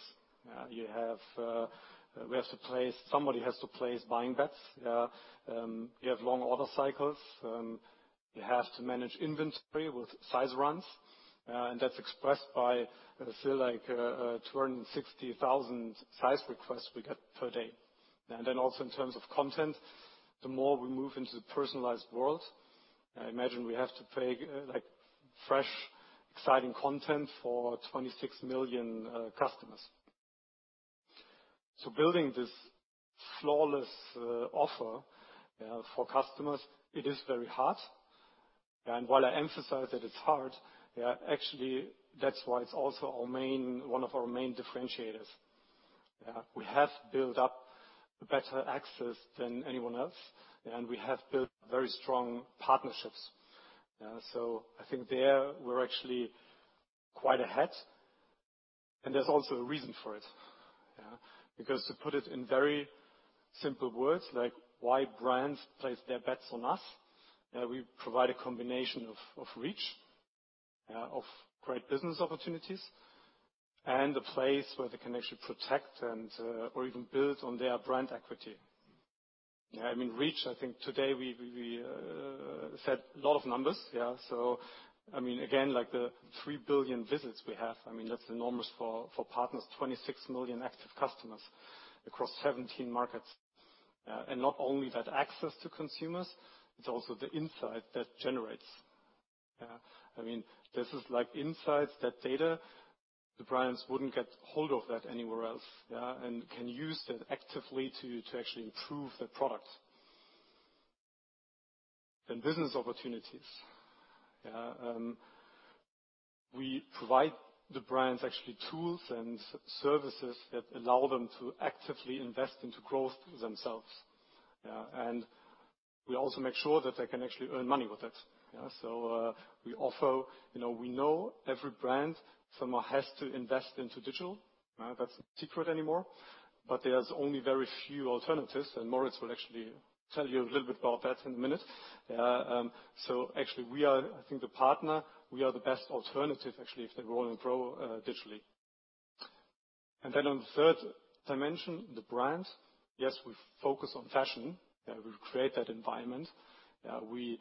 Somebody has to place buying bets. You have long order cycles. You have to manage inventory with size runs. That's expressed by, I feel like, 260,000 size requests we get per day. Also in terms of content, the more we move into the personalized world, I imagine we have to create fresh, exciting content for 26 million customers. Building this flawless offer for customers, it is very hard. While I emphasize that it's hard, actually, that's why it's also one of our main differentiators. We have built up better access than anyone else, and we have built very strong partnerships. I think there we're actually quite ahead and there's also a reason for it. To put it in very simple words, like why brands place their bets on us. We provide a combination of reach, of great business opportunities and a place where they can actually protect or even build on their brand equity. I mean, reach, I think today we said a lot of numbers. I mean, again, like the 3 billion visits we have, I mean, that's enormous for partners, 26 million active customers across 17 markets. Not only that access to consumers, it's also the insight that generates. This is insights, that data, the brands wouldn't get hold of that anywhere else, and can use that actively to actually improve their product. Business opportunities. We provide the brands actually tools and services that allow them to actively invest into growth themselves. We also make sure that they can actually earn money with it. We know every brand somehow has to invest into digital. That's not secret anymore. There's only very few alternatives, and Moritz will actually tell you a little bit about that in a minute. Actually we are, I think, the partner. We are the best alternative, actually, if they want to grow digitally. On the third dimension, the brand. Yes, we focus on fashion. We create that environment. We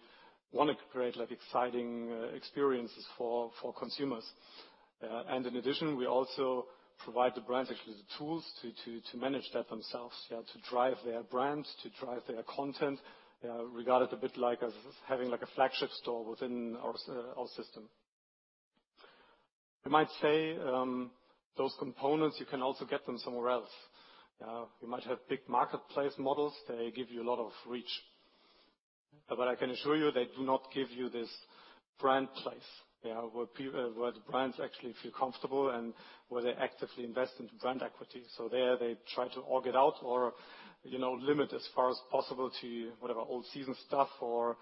want to create exciting experiences for consumers. We also provide the brands actually the tools to manage that themselves, to drive their brands, to drive their content. Regard it a bit like as having a flagship store within our system. You might say, those components, you can also get them somewhere else. You might have big marketplace models. They give you a lot of reach. I can assure you, they do not give you this brand place, where the brands actually feel comfortable and where they actively invest into brand equity. There, they try to org it out or limit as far as possible to whatever old season stuff or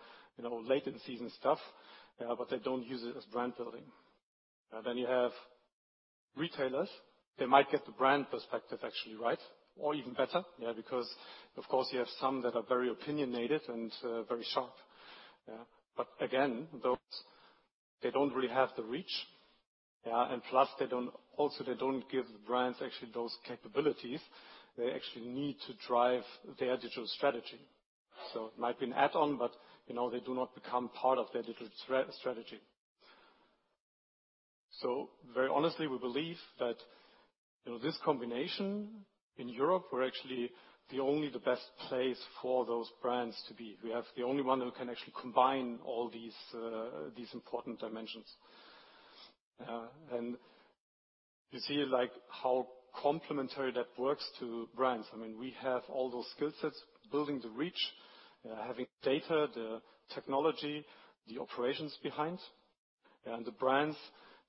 latent season stuff, but they don't use it as brand building. You have retailers. They might get the brand perspective actually right. Or even better, because of course you have some that are very opinionated and very sharp. Again, those, they don't really have the reach. Also they don't give brands actually those capabilities they actually need to drive their digital strategy. It might be an add-on, but they do not become part of their digital strategy. Very honestly, we believe that this combination in Europe, we are actually the only best place for those brands to be. We are the only one who can actually combine all these important dimensions. You see how complementary that works to brands. We have all those skill sets, building the reach, having data, the technology, the operations behind. The brands,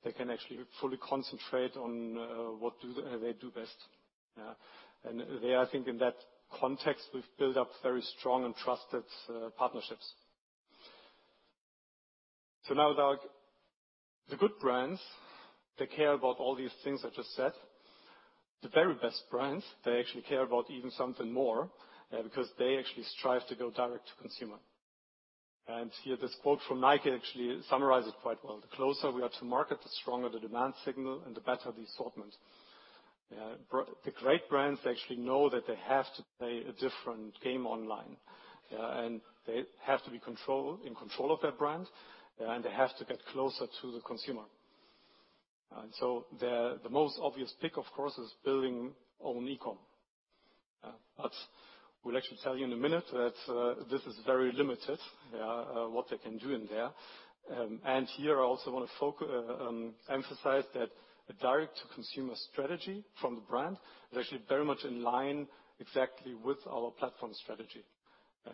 they can actually fully concentrate on what they do best. There, I think in that context, we have built up very strong and trusted partnerships. Now, the good brands, they care about all these things I just said. The very best brands, they actually care about even something more, because they actually strive to go direct to consumer. Here, this quote from Nike actually summarizes it quite well; The closer we are to market, the stronger the demand signal and the better the assortment. The great brands actually know that they have to play a different game online. They have to be in control of their brand, and they have to get closer to the consumer. The most obvious pick, of course, is building own e-com. But we will actually tell you in a minute that this is very limited, what they can do in there. Here, I also want to emphasize that a direct-to-consumer strategy from the brand is actually very much in line exactly with our platform strategy.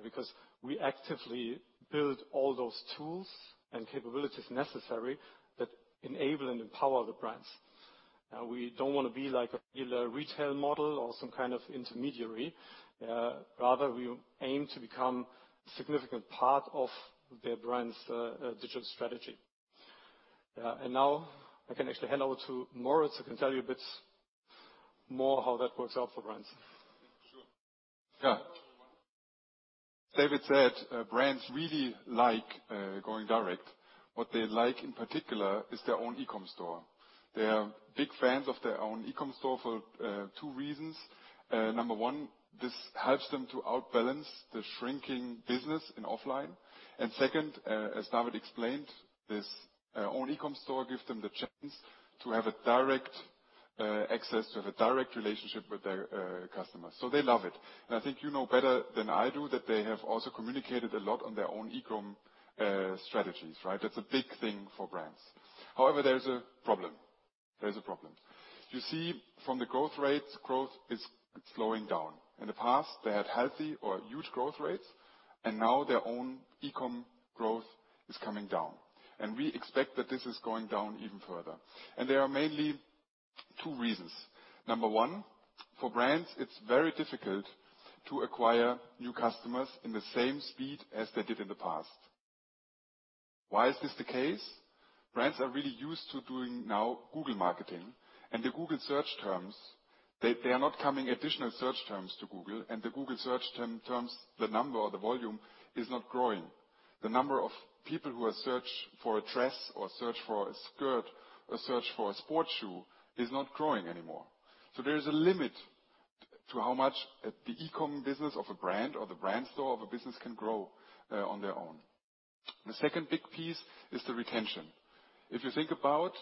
Because we actively build all those tools and capabilities necessary that enable and empower the brands. We do not want to be like a regular retail model or some kind of intermediary. Rather, we aim to become a significant part of their brand's digital strategy. Now I can actually hand over to Moritz, who can tell you a bit more how that works out for brands. Sure. Yeah. David said brands really like going direct. What they like in particular is their own e-com store. They are big fans of their own e-com store for two reasons. Number one, this helps them to outbalance the shrinking business in offline. Second, as David explained, this own e-com store gives them the chance to have a direct access, to have a direct relationship with their customers. So they love it. I think you know better than I do that they have also communicated a lot on their own e-com strategies, right? That's a big thing for brands. However, there's a problem. You see from the growth rates, growth is slowing down. In the past, they had healthy or huge growth rates, and now their own e-com growth is coming down. We expect that this is going down even further. There are mainly two reasons. Number one, for brands, it's very difficult to acquire new customers in the same speed as they did in the past. Why is this the case? Brands are really used to doing now Google marketing and the Google search terms. There are not coming additional search terms to Google, and the Google search terms, the number or the volume is not growing. The number of people who search for a dress or search for a skirt or search for a sports shoe is not growing anymore. There is a limit to how much the e-com business of a brand or the brand store of a business can grow on their own. The second big piece is the retention. If you think about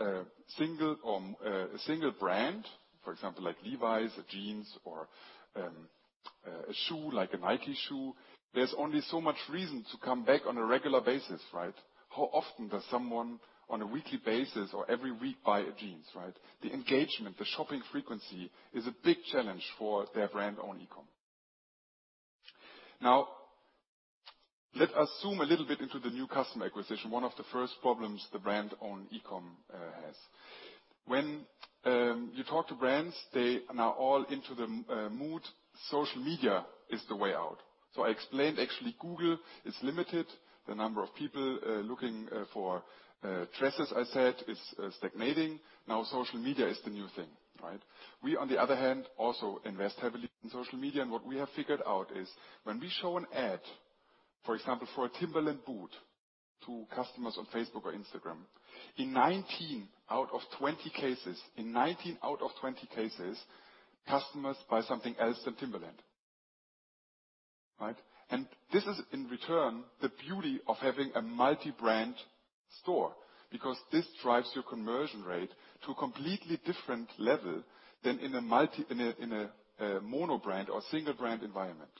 a single brand, for example, like Levi's jeans or a shoe like a Nike shoe, there's only so much reason to come back on a regular basis. How often does someone on a weekly basis or every week buy a jeans, right? The engagement, the shopping frequency is a big challenge for their brand on e-com. Let us zoom a little bit into the new customer acquisition, one of the first problems the brand on e-com has. When you talk to brands, they are now all into the mood, social media is the way out. I explained actually Google is limited. The number of people looking for dresses, I said, is stagnating. Social media is the new thing. We, on the other hand, also invest heavily in social media, and what we have figured out is when we show an ad, for example, for a Timberland boot to customers on Facebook or Instagram, in 19 out of 20 cases, customers buy something else than Timberland. This is in return, the beauty of having a multi-brand store because this drives your conversion rate to a completely different level than in a mono brand or single brand environment.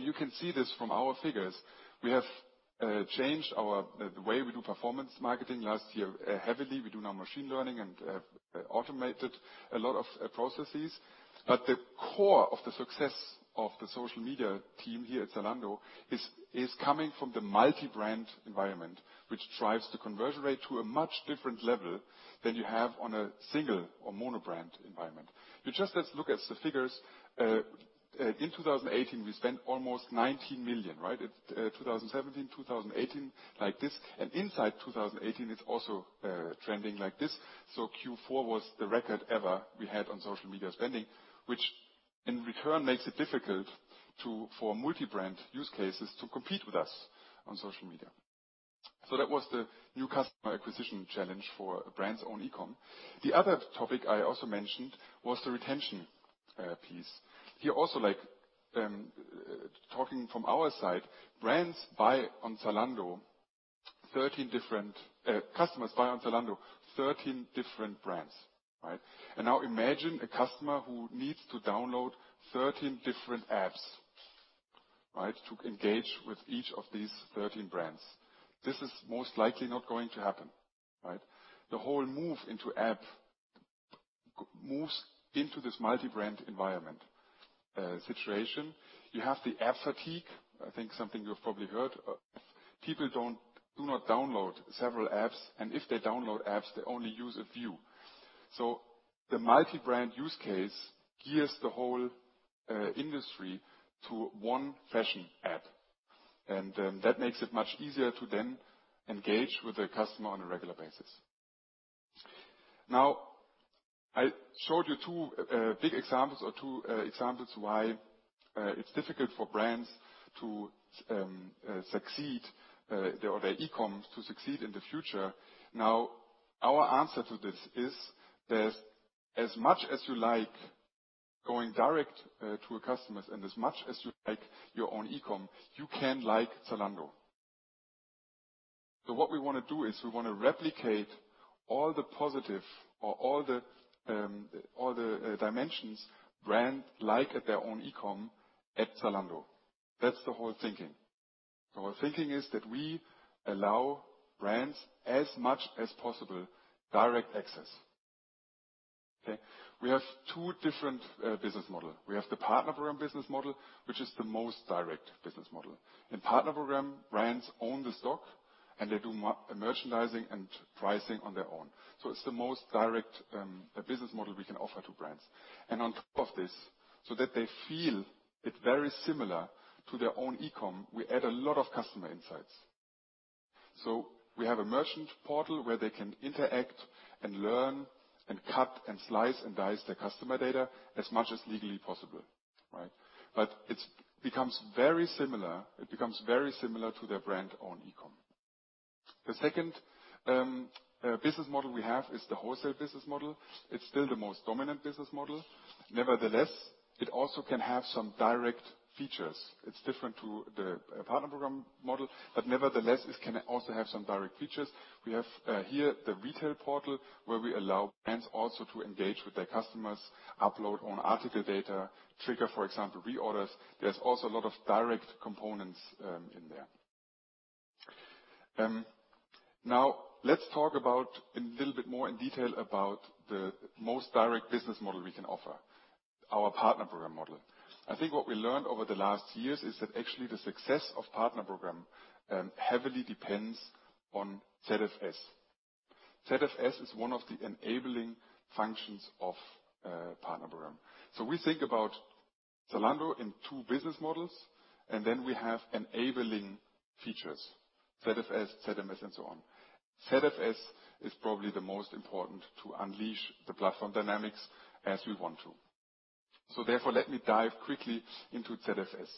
You can see this from our figures. We have changed the way we do performance marketing last year heavily. We do now machine learning and have automated a lot of processes. The core of the success of the social media team here at Zalando is coming from the multi-brand environment, which drives the conversion rate to a much different level than you have on a single or mono brand environment. You just look at the figures. In 2018, we spent almost 19 million, right? In 2017, 2018, like this, and inside 2018, it's also trending like this. Q4 was the record ever we had on social media spending, which in return makes it difficult for multi-brand use cases to compete with us on social media. That was the new customer acquisition challenge for brands on e-com. The other topic I also mentioned was the retention piece. Here also, like talking from our side, customers buy on Zalando 13 different brands. Now, imagine a customer who needs to download 13 different apps to engage with each of these 13 brands. This is most likely not going to happen. The whole move into app moves into this multi-brand environment situation. You have the app fatigue, I think something you've probably heard. People do not download several apps, and if they download apps, they only use a few. The multi-brand use case gears the whole industry to one fashion app, and that makes it much easier to then engage with the customer on a regular basis. I showed you two big examples or two examples why it's difficult for brands or their e-coms to succeed in the future. Our answer to this is that as much as you like going direct to customers and as much as you like your own e-com, you can like Zalando. What we want to do is we want to replicate all the positive or all the dimensions brands like at their own e-com at Zalando. That's the whole thinking. Our thinking is that we allow brands as much as possible direct access. We have two different business model. We have the Partner Program business model, which is the most direct business model. In Partner Program, brands own the stock and they do merchandising and pricing on their own. It's the most direct business model we can offer to brands. On top of this, so that they feel it very similar to their own e-com, we add a lot of customer insights. We have a merchant portal where they can interact and learn and cut and slice and dice their customer data as much as legally possible. It becomes very similar to their brand on e-com. The second business model we have is the wholesale business model. It's still the most dominant business model. Nevertheless, it also can have some direct features. It's different to the Partner Program model, but nevertheless, it can also have some direct features. We have here the retail portal where we allow brands also to engage with their customers, upload own article data, trigger, for example, reorders. There's also a lot of direct components in there. Let's talk about a little bit more in detail about the most direct business model we can offer, our Partner Program model. I think what we learned over the last years is that actually the success of Partner Program heavily depends on ZFS. ZFS is one of the enabling functions of Partner Program. We think about Zalando in two business models, and then we have enabling features, ZFS, ZMS, and so on. ZFS is probably the most important to unleash the platform dynamics as we want to. Therefore, let me dive quickly into ZFS.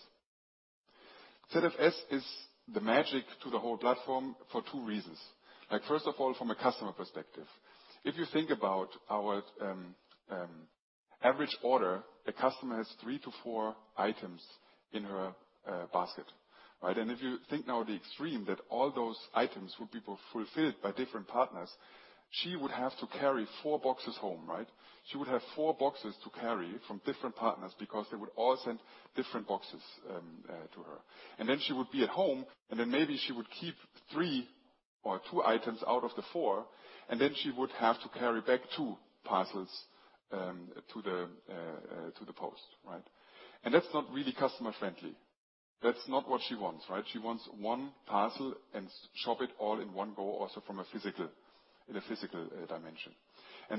ZFS is the magic to the whole platform for two reasons. First of all, from a customer perspective. If you think about our average order, a customer has three to four items in her basket, right? If you think now the extreme, that all those items would be fulfilled by different partners, she would have to carry four boxes home, right? She would have four boxes to carry from different partners because they would all send different boxes to her. Then she would be at home, and then maybe she would keep three or two items out of the four, and then she would have to carry back two parcels to the post. That's not really customer-friendly. That's not what she wants. She wants one parcel and shop it all in one go, also in a physical dimension.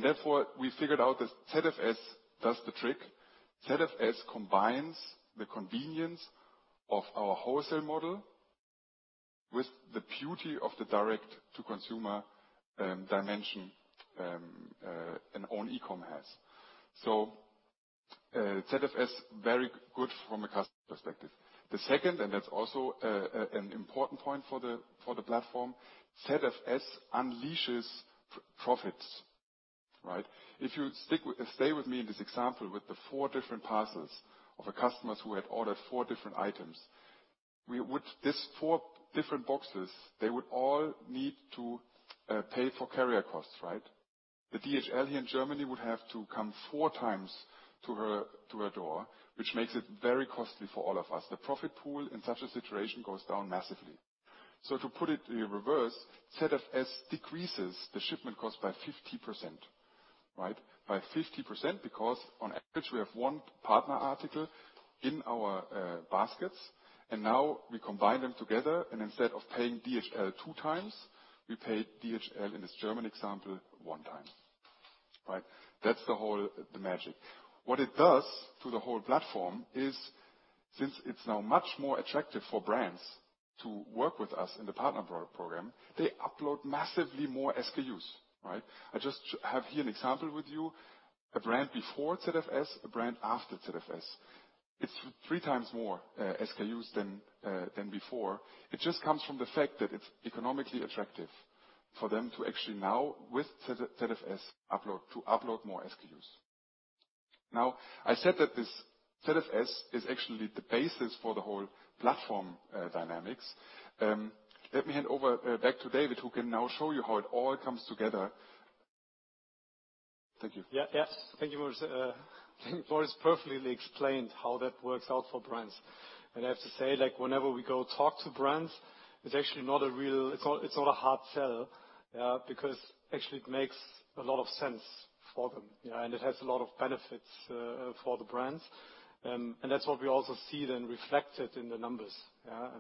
Therefore, we figured out that ZFS does the trick. ZFS combines the convenience of our wholesale model with the beauty of the direct-to-consumer dimension an own e-com has. ZFS, very good from a customer perspective. The second, that is also an important point for the platform, ZFS unleashes profits. If you stay with me in this example with the four different parcels of customers who had ordered four different items. These four different boxes, they would all need to pay for carrier costs, right? The DHL here in Germany would have to come four times to her door, which makes it very costly for all of us. The profit pool in such a situation goes down massively. To put it in reverse, ZFS decreases the shipment cost by 50%. By 50% because on average, we have one partner article in our baskets, and now we combine them together, and instead of paying DHL two times, we pay DHL, in this German example, one time. That is the whole magic. What it does to the whole platform is, since it is now much more attractive for brands to work with us in the Partner Program, they upload massively more SKUs. I just have here an example with you, a brand before ZFS, a brand after ZFS. It is 3x more SKUs than before. It just comes from the fact that it is economically attractive for them to actually now with ZFS to upload more SKUs. I said that this ZFS is actually the basis for the whole platform dynamics. Let me hand over back to David, who can now show you how it all comes together. Thank you. Thank you, Moritz. Moritz perfectly explained how that works out for brands. I have to say, whenever we go talk to brands, it is not a hard sell, because actually it makes a lot of sense for them. It has a lot of benefits for the brands. That is what we also see then reflected in the numbers.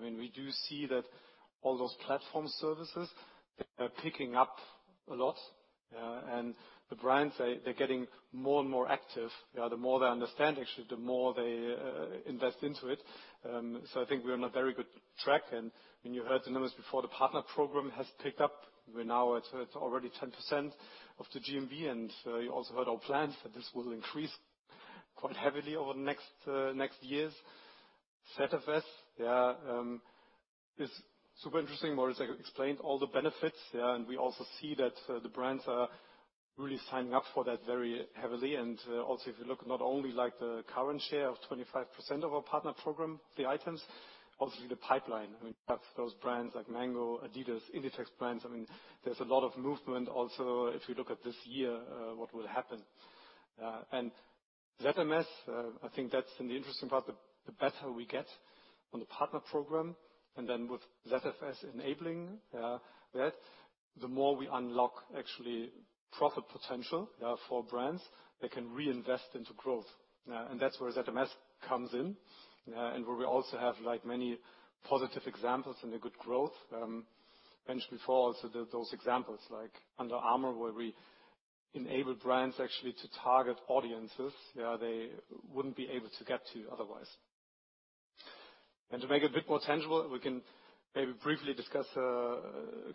We do see that all those platform services, they are picking up a lot. The brands, they are getting more and more active. The more they understand, actually, the more they invest into it. I think we are on a very good track. When you heard the numbers before, the Partner Program has picked up. We are now at already 10% of the GMV, you also heard our plans that this will increase quite heavily over the next years. ZFS is super interesting. Moritz explained all the benefits. We also see that the brands are really signing up for that very heavily. Also, if you look not only the current share of 25% of our Partner Program, the items, also the pipeline. Those brands like Mango, Adidas, Inditex brands, there is a lot of movement also if you look at this year, what will happen. ZMS, I think that is the interesting part. The better we get on the Partner Program, and then with ZFS enabling that, the more we unlock actually profit potential for brands that can reinvest into growth. That is where ZMS comes in, and where we also have many positive examples and a good growth. Mentioned before also those examples like Under Armour, where we enable brands actually to target audiences they would not be able to get to otherwise. To make it a bit more tangible, we can maybe briefly discuss a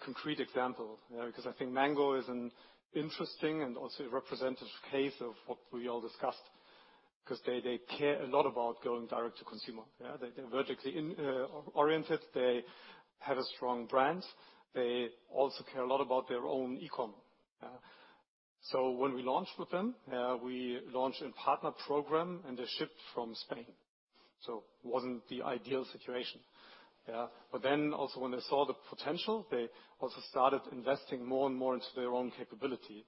concrete example. I think Mango is an interesting and also representative case of what we all discussed, because they care a lot about going direct to consumer. They are vertically oriented. They have a strong brand. They also care a lot about their own e-com. When we launched with them, we launched in Partner Program and they shipped from Spain. It wasn't the ideal situation. Also when they saw the potential, they also started investing more and more into their own capability.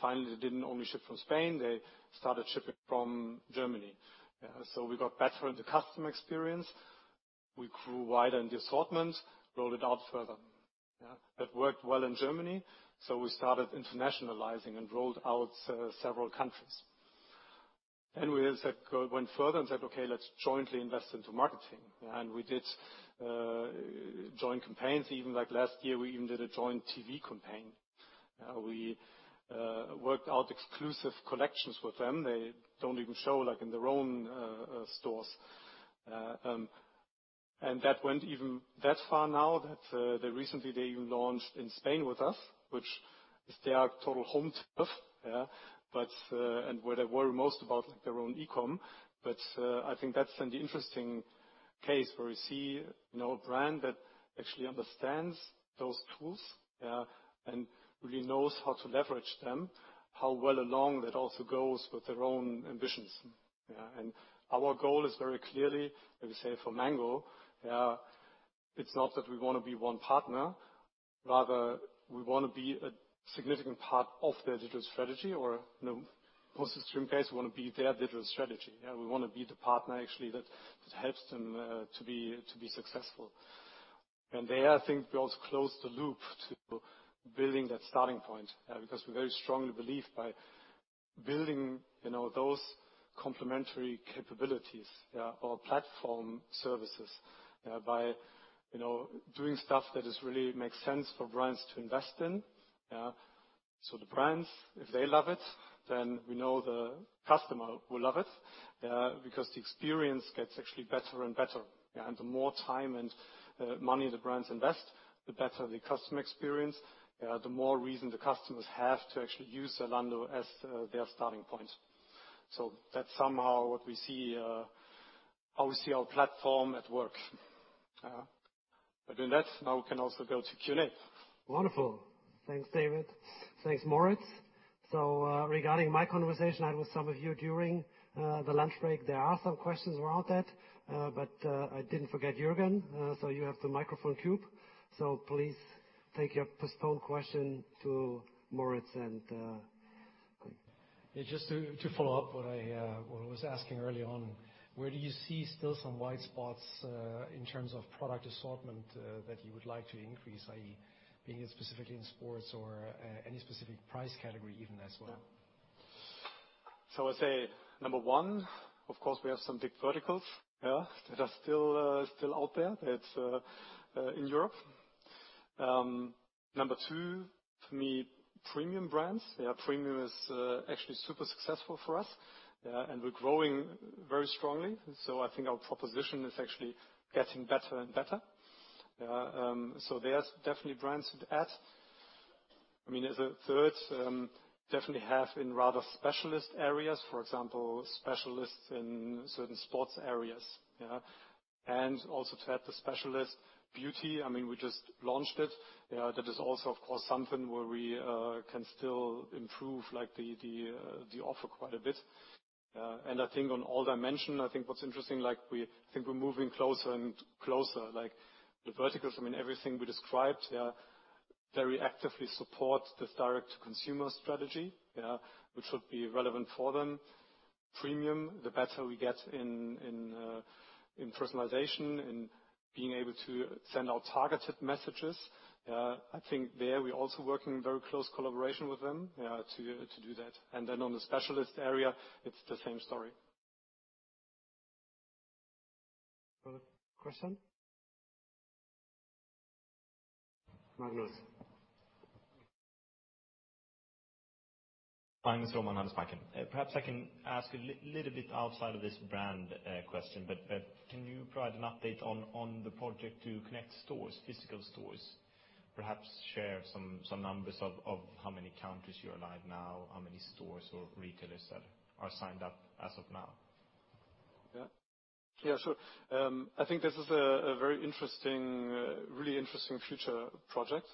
Finally, they did not only ship from Spain, they started shipping from Germany. We got better at the customer experience. We grew wider in the assortment, rolled it out further. That worked well in Germany. We started internationalizing and rolled out several countries. We went further and said: Okay, let's jointly invest into marketing. We did joint campaigns. Even like last year, we even did a joint TV campaign. We worked out exclusive collections with them. They do not even show in their own stores. That went even that far now that recently they even launched in Spain with us, which is their total home turf, and where they worry most about their own e-com. I think that's then the interesting case where we see a brand that actually understands those tools, and really knows how to leverage them, how well along that also goes with their own ambitions. Our goal is very clearly, as we say, for Mango, it's not that we want to be one partner. Rather, we want to be a significant part of their digital strategy or, for extreme case, we want to be their digital strategy. We want to be the partner, actually, that helps them to be successful. There, I think, we also close the loop to building that starting point, because we very strongly believe by building, you know,— those complementary capabilities or platform services, by doing stuff that really makes sense for brands to invest in. The brands, if they love it, then we know the customer will love it, because the experience gets actually better and better. The more time and money the brands invest, the better the customer experience, the more reason the customers have to actually use Zalando as their starting point. That's somehow how we see our platform at work. By doing that, now we can also go to Q&A. Wonderful. Thanks, David. Thanks, Moritz. Regarding my conversation I had with some of you during the lunch break, there are some questions around that. I did not forget Jürgen. You have the microphone cube. Please take your postponed question to Moritz and Yeah, just to follow up what I was asking early on, where do you see still some white spots in terms of product assortment that you would like to increase, i.e., be it specifically in sports or any specific price category even as well? I'd say, number one, of course, we have some big verticals that are still out there in Europe. Number two, for me, premium brands. Premium is actually super successful for us. We're growing very strongly. I think our proposition is actually getting better and better. There's definitely brands to add. As a third, definitely have in rather specialist areas. For example, specialists in certain sports areas. Also to add the specialist beauty. We just launched it. That is also, of course, something where we can still improve the offer quite a bit. I think on all dimension, I think what's interesting, I think we're moving closer and closer. Like the verticals, everything we described, they very actively support this direct-to-consumer strategy, which should be relevant for them. Premium, the better we get in personalization, in being able to send out targeted messages. I think there we're also working in very close collaboration with them to do that. On the specialist area, it's the same story. Further question? Magnus. Magnus Råman, Handelsbanken. Perhaps I can ask a little bit outside of this brand question. Can you provide an update on the project to connect stores, physical stores? Perhaps share some numbers of how many countries you're live now, how many stores or retailers that are signed up as of now? Yeah. Sure. I think this is a really interesting future project.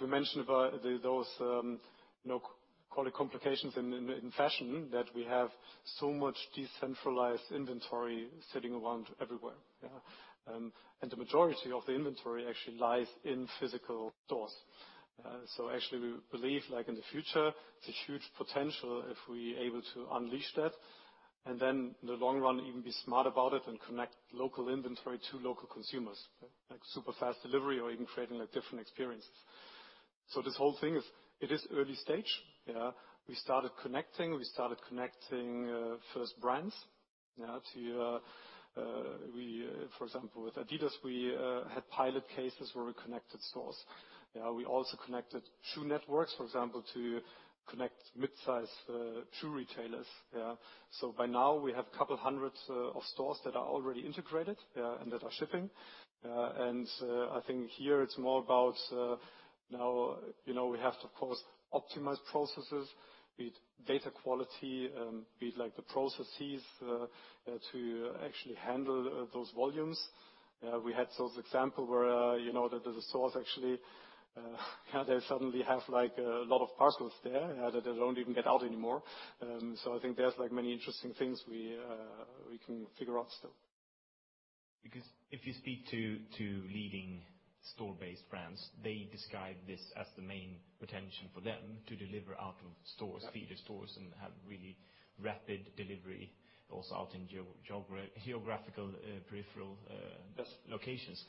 We mentioned about those, call it complications in fashion, that we have so much decentralized inventory sitting around everywhere. The majority of the inventory actually lies in physical stores. Actually, we believe, like in the future, it's a huge potential if we able to unleash that. Then, in the long run, even be smart about it and connect local inventory to local consumers. Like super fast delivery or even creating different experiences. This whole thing is, it is early stage. We started connecting. We started connecting first brands. For example, with Adidas, we had pilot cases where we connected stores. We also connected shoe networks, for example, to connect midsize shoe retailers. By now we have a couple hundreds of stores that are already integrated and that are shipping. I think here it's more about, now we have to, of course, optimize processes, be it data quality, be it the processes to actually handle those volumes. We had those example where there's a store actually, they suddenly have a lot of parcels there that they don't even get out anymore. I think there's many interesting things we can figure out still. If you speak to leading store-based brands, they describe this as the main potential for them to deliver out of stores, feed the stores, and have really rapid delivery, also out in geographical peripheral locations.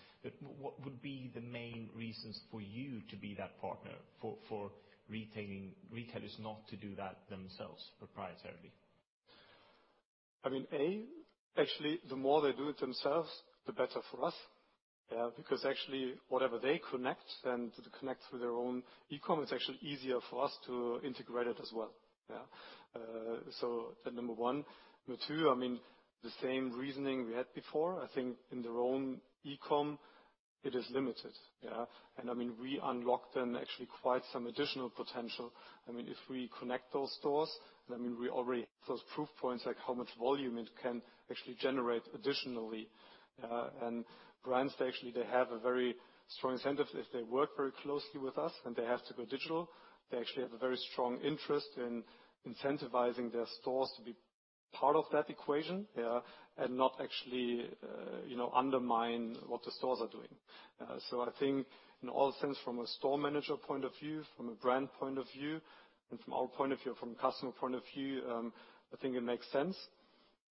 What would be the main reasons for you to be that partner for retailers not to do that themselves proprietarily? I mean, A, actually, the more they do it themselves, the better for us. Because actually, whatever they connect and to connect with their own e-commerce, it's actually easier for us to integrate it as well. That's number one. Number two, the same reasoning we had before. I think in their own e-commerce is limited. We unlock then actually quite some additional potential. If we connect those stores, we already have those proof points, like how much volume it can actually generate additionally. Brands, actually, they have a very strong incentive if they work very closely with us and they have to go digital. They actually have a very strong interest in incentivizing their stores to be part of that equation, and not actually, you know, undermine what the stores are doing. I think in all sense, from a store manager point of view, from a brand point of view, and from our point of view, from customer point of view, I think it makes sense.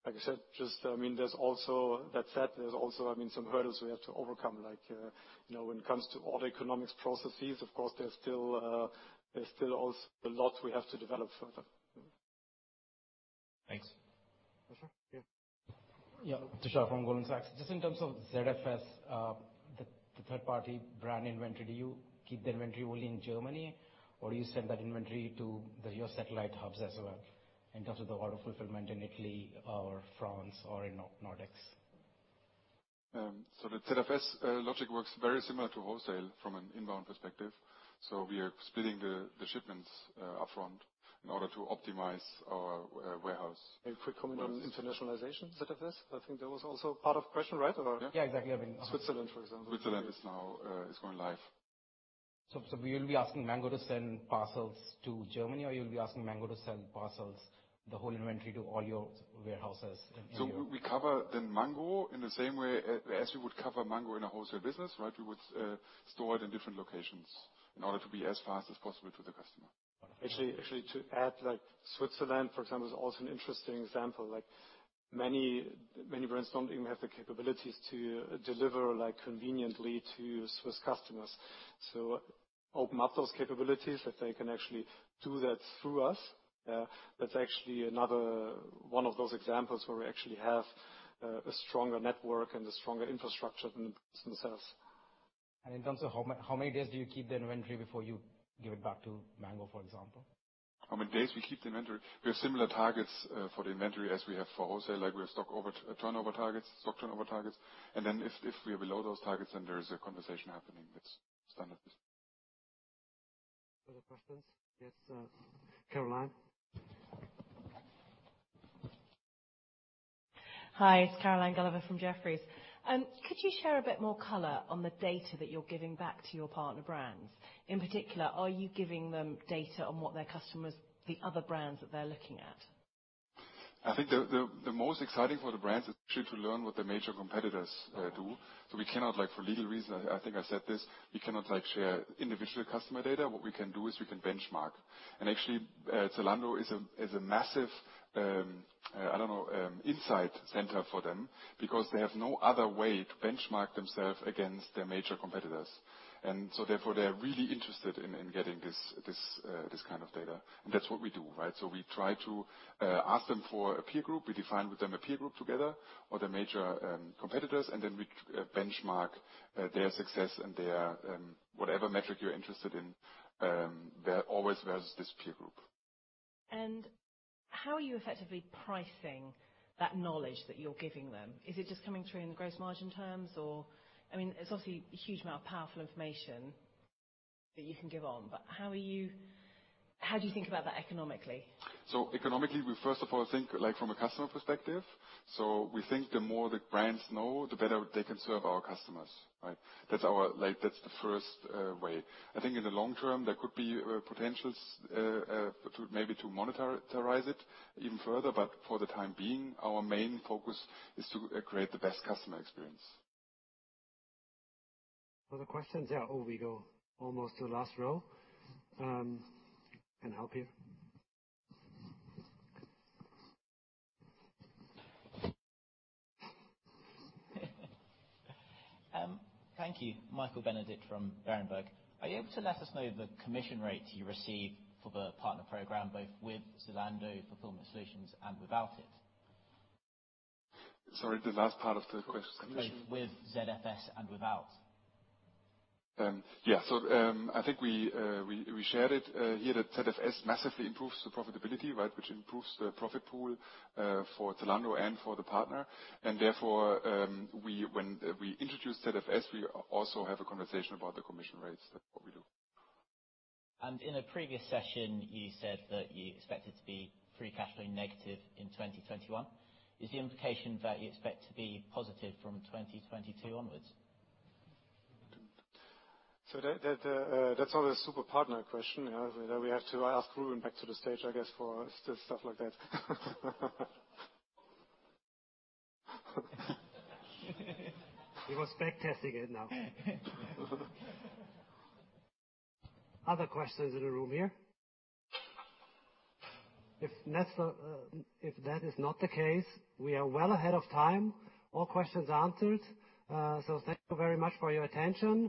Like I said, that said, there's also some hurdles we have to overcome. Like, when it comes to all the economics processes, of course, there's still also a lot we have to develop further. Thanks. For sure. Yeah. Yeah. Tushar from Goldman Sachs. Just in terms of ZFS, the third-party brand inventory, do you keep the inventory only in Germany or do you send that inventory to your satellite hubs as well, in terms of the order fulfillment in Italy or France or in Nordics? the ZFS logic works very similar to wholesale from an inbound perspective. We are splitting the shipments upfront in order to optimize our warehouse. A quick comment on internationalization ZFS. I think that was also part of question, right? Yeah, exactly. Switzerland, for example. Switzerland is going live. We'll be asking Mango to send parcels to Germany, or you'll be asking Mango to send parcels, the whole inventory to all your warehouses in Europe? We cover then Mango in the same way as we would cover Mango in a wholesale business. We would store it in different locations in order to be as fast as possible to the customer. Actually, to add, Switzerland, for example, is also an interesting example. Many brands don't even have the capabilities to deliver conveniently to Swiss customers. Open up those capabilities that they can actually do that through us. That's actually another one of those examples where we actually have a stronger network and a stronger infrastructure than the business themselves. In terms of how many days do you keep the inventory before you give it back to Mango, for example? How many days we keep the inventory? We have similar targets for the inventory as we have for wholesale. We have stock turnover targets. Then if we are below those targets, then there is a conversation happening. That's standard. Other questions? Yes, Caroline. Hi, it's Caroline Gulliver from Jefferies. Could you share a bit more color on the data that you're giving back to your partner brands? In particular, are you giving them data on what their customers, the other brands that they're looking at? I think the most exciting for the brands is actually to learn what their major competitors do. We cannot, for legal reasons, I think I said this, we cannot share individual customer data. What we can do is we can benchmark. Actually, Zalando is a massive insight center for them because they have no other way to benchmark themselves against their major competitors. Therefore, they're really interested in getting this kind of data. That's what we do. We try to ask them for a peer group. We define with them a peer group together or their major competitors, and then we benchmark their success and their, whatever metric you're interested in, always versus this peer group. How are you effectively pricing that knowledge that you're giving them? Is it just coming through in gross margin terms or? I mean, it's obviously a huge amount of powerful information that you can give on, but how do you think about that economically? Economically, we first of all think from a customer perspective. We think the more the brands know, the better they can serve our customers. That's the first way. I think in the long term, there could be potentials maybe to monetize it even further. For the time being, our main focus is to create the best customer experience. Other questions? Yeah. Oh, we go almost to the last row. Can I help you? Thank you. Michael Benedict from Berenberg. Are you able to let us know the commission rate you receive for the Partner Program, both with Zalando Fulfillment Solutions and without it? Sorry, the last part of the question. Commission? Both with ZFS and without. Yeah. I think we shared it here that ZFS massively improves the profitability, which improves the profit pool for Zalando and for the partner. Therefore, when we introduce ZFS, we also have a conversation about the commission rates. That's what we do. In a previous session, you said that you expected to be free cash flow negative in 2021. Is the implication that you expect to be positive from 2022 onwards? That's not a super partner question. We have to ask Rubin back to the stage, I guess, for stuff like that. He was spec testing it now. Other questions in the room here? If that is not the case, we are well ahead of time. All questions are answered. Thank you very much for your attention.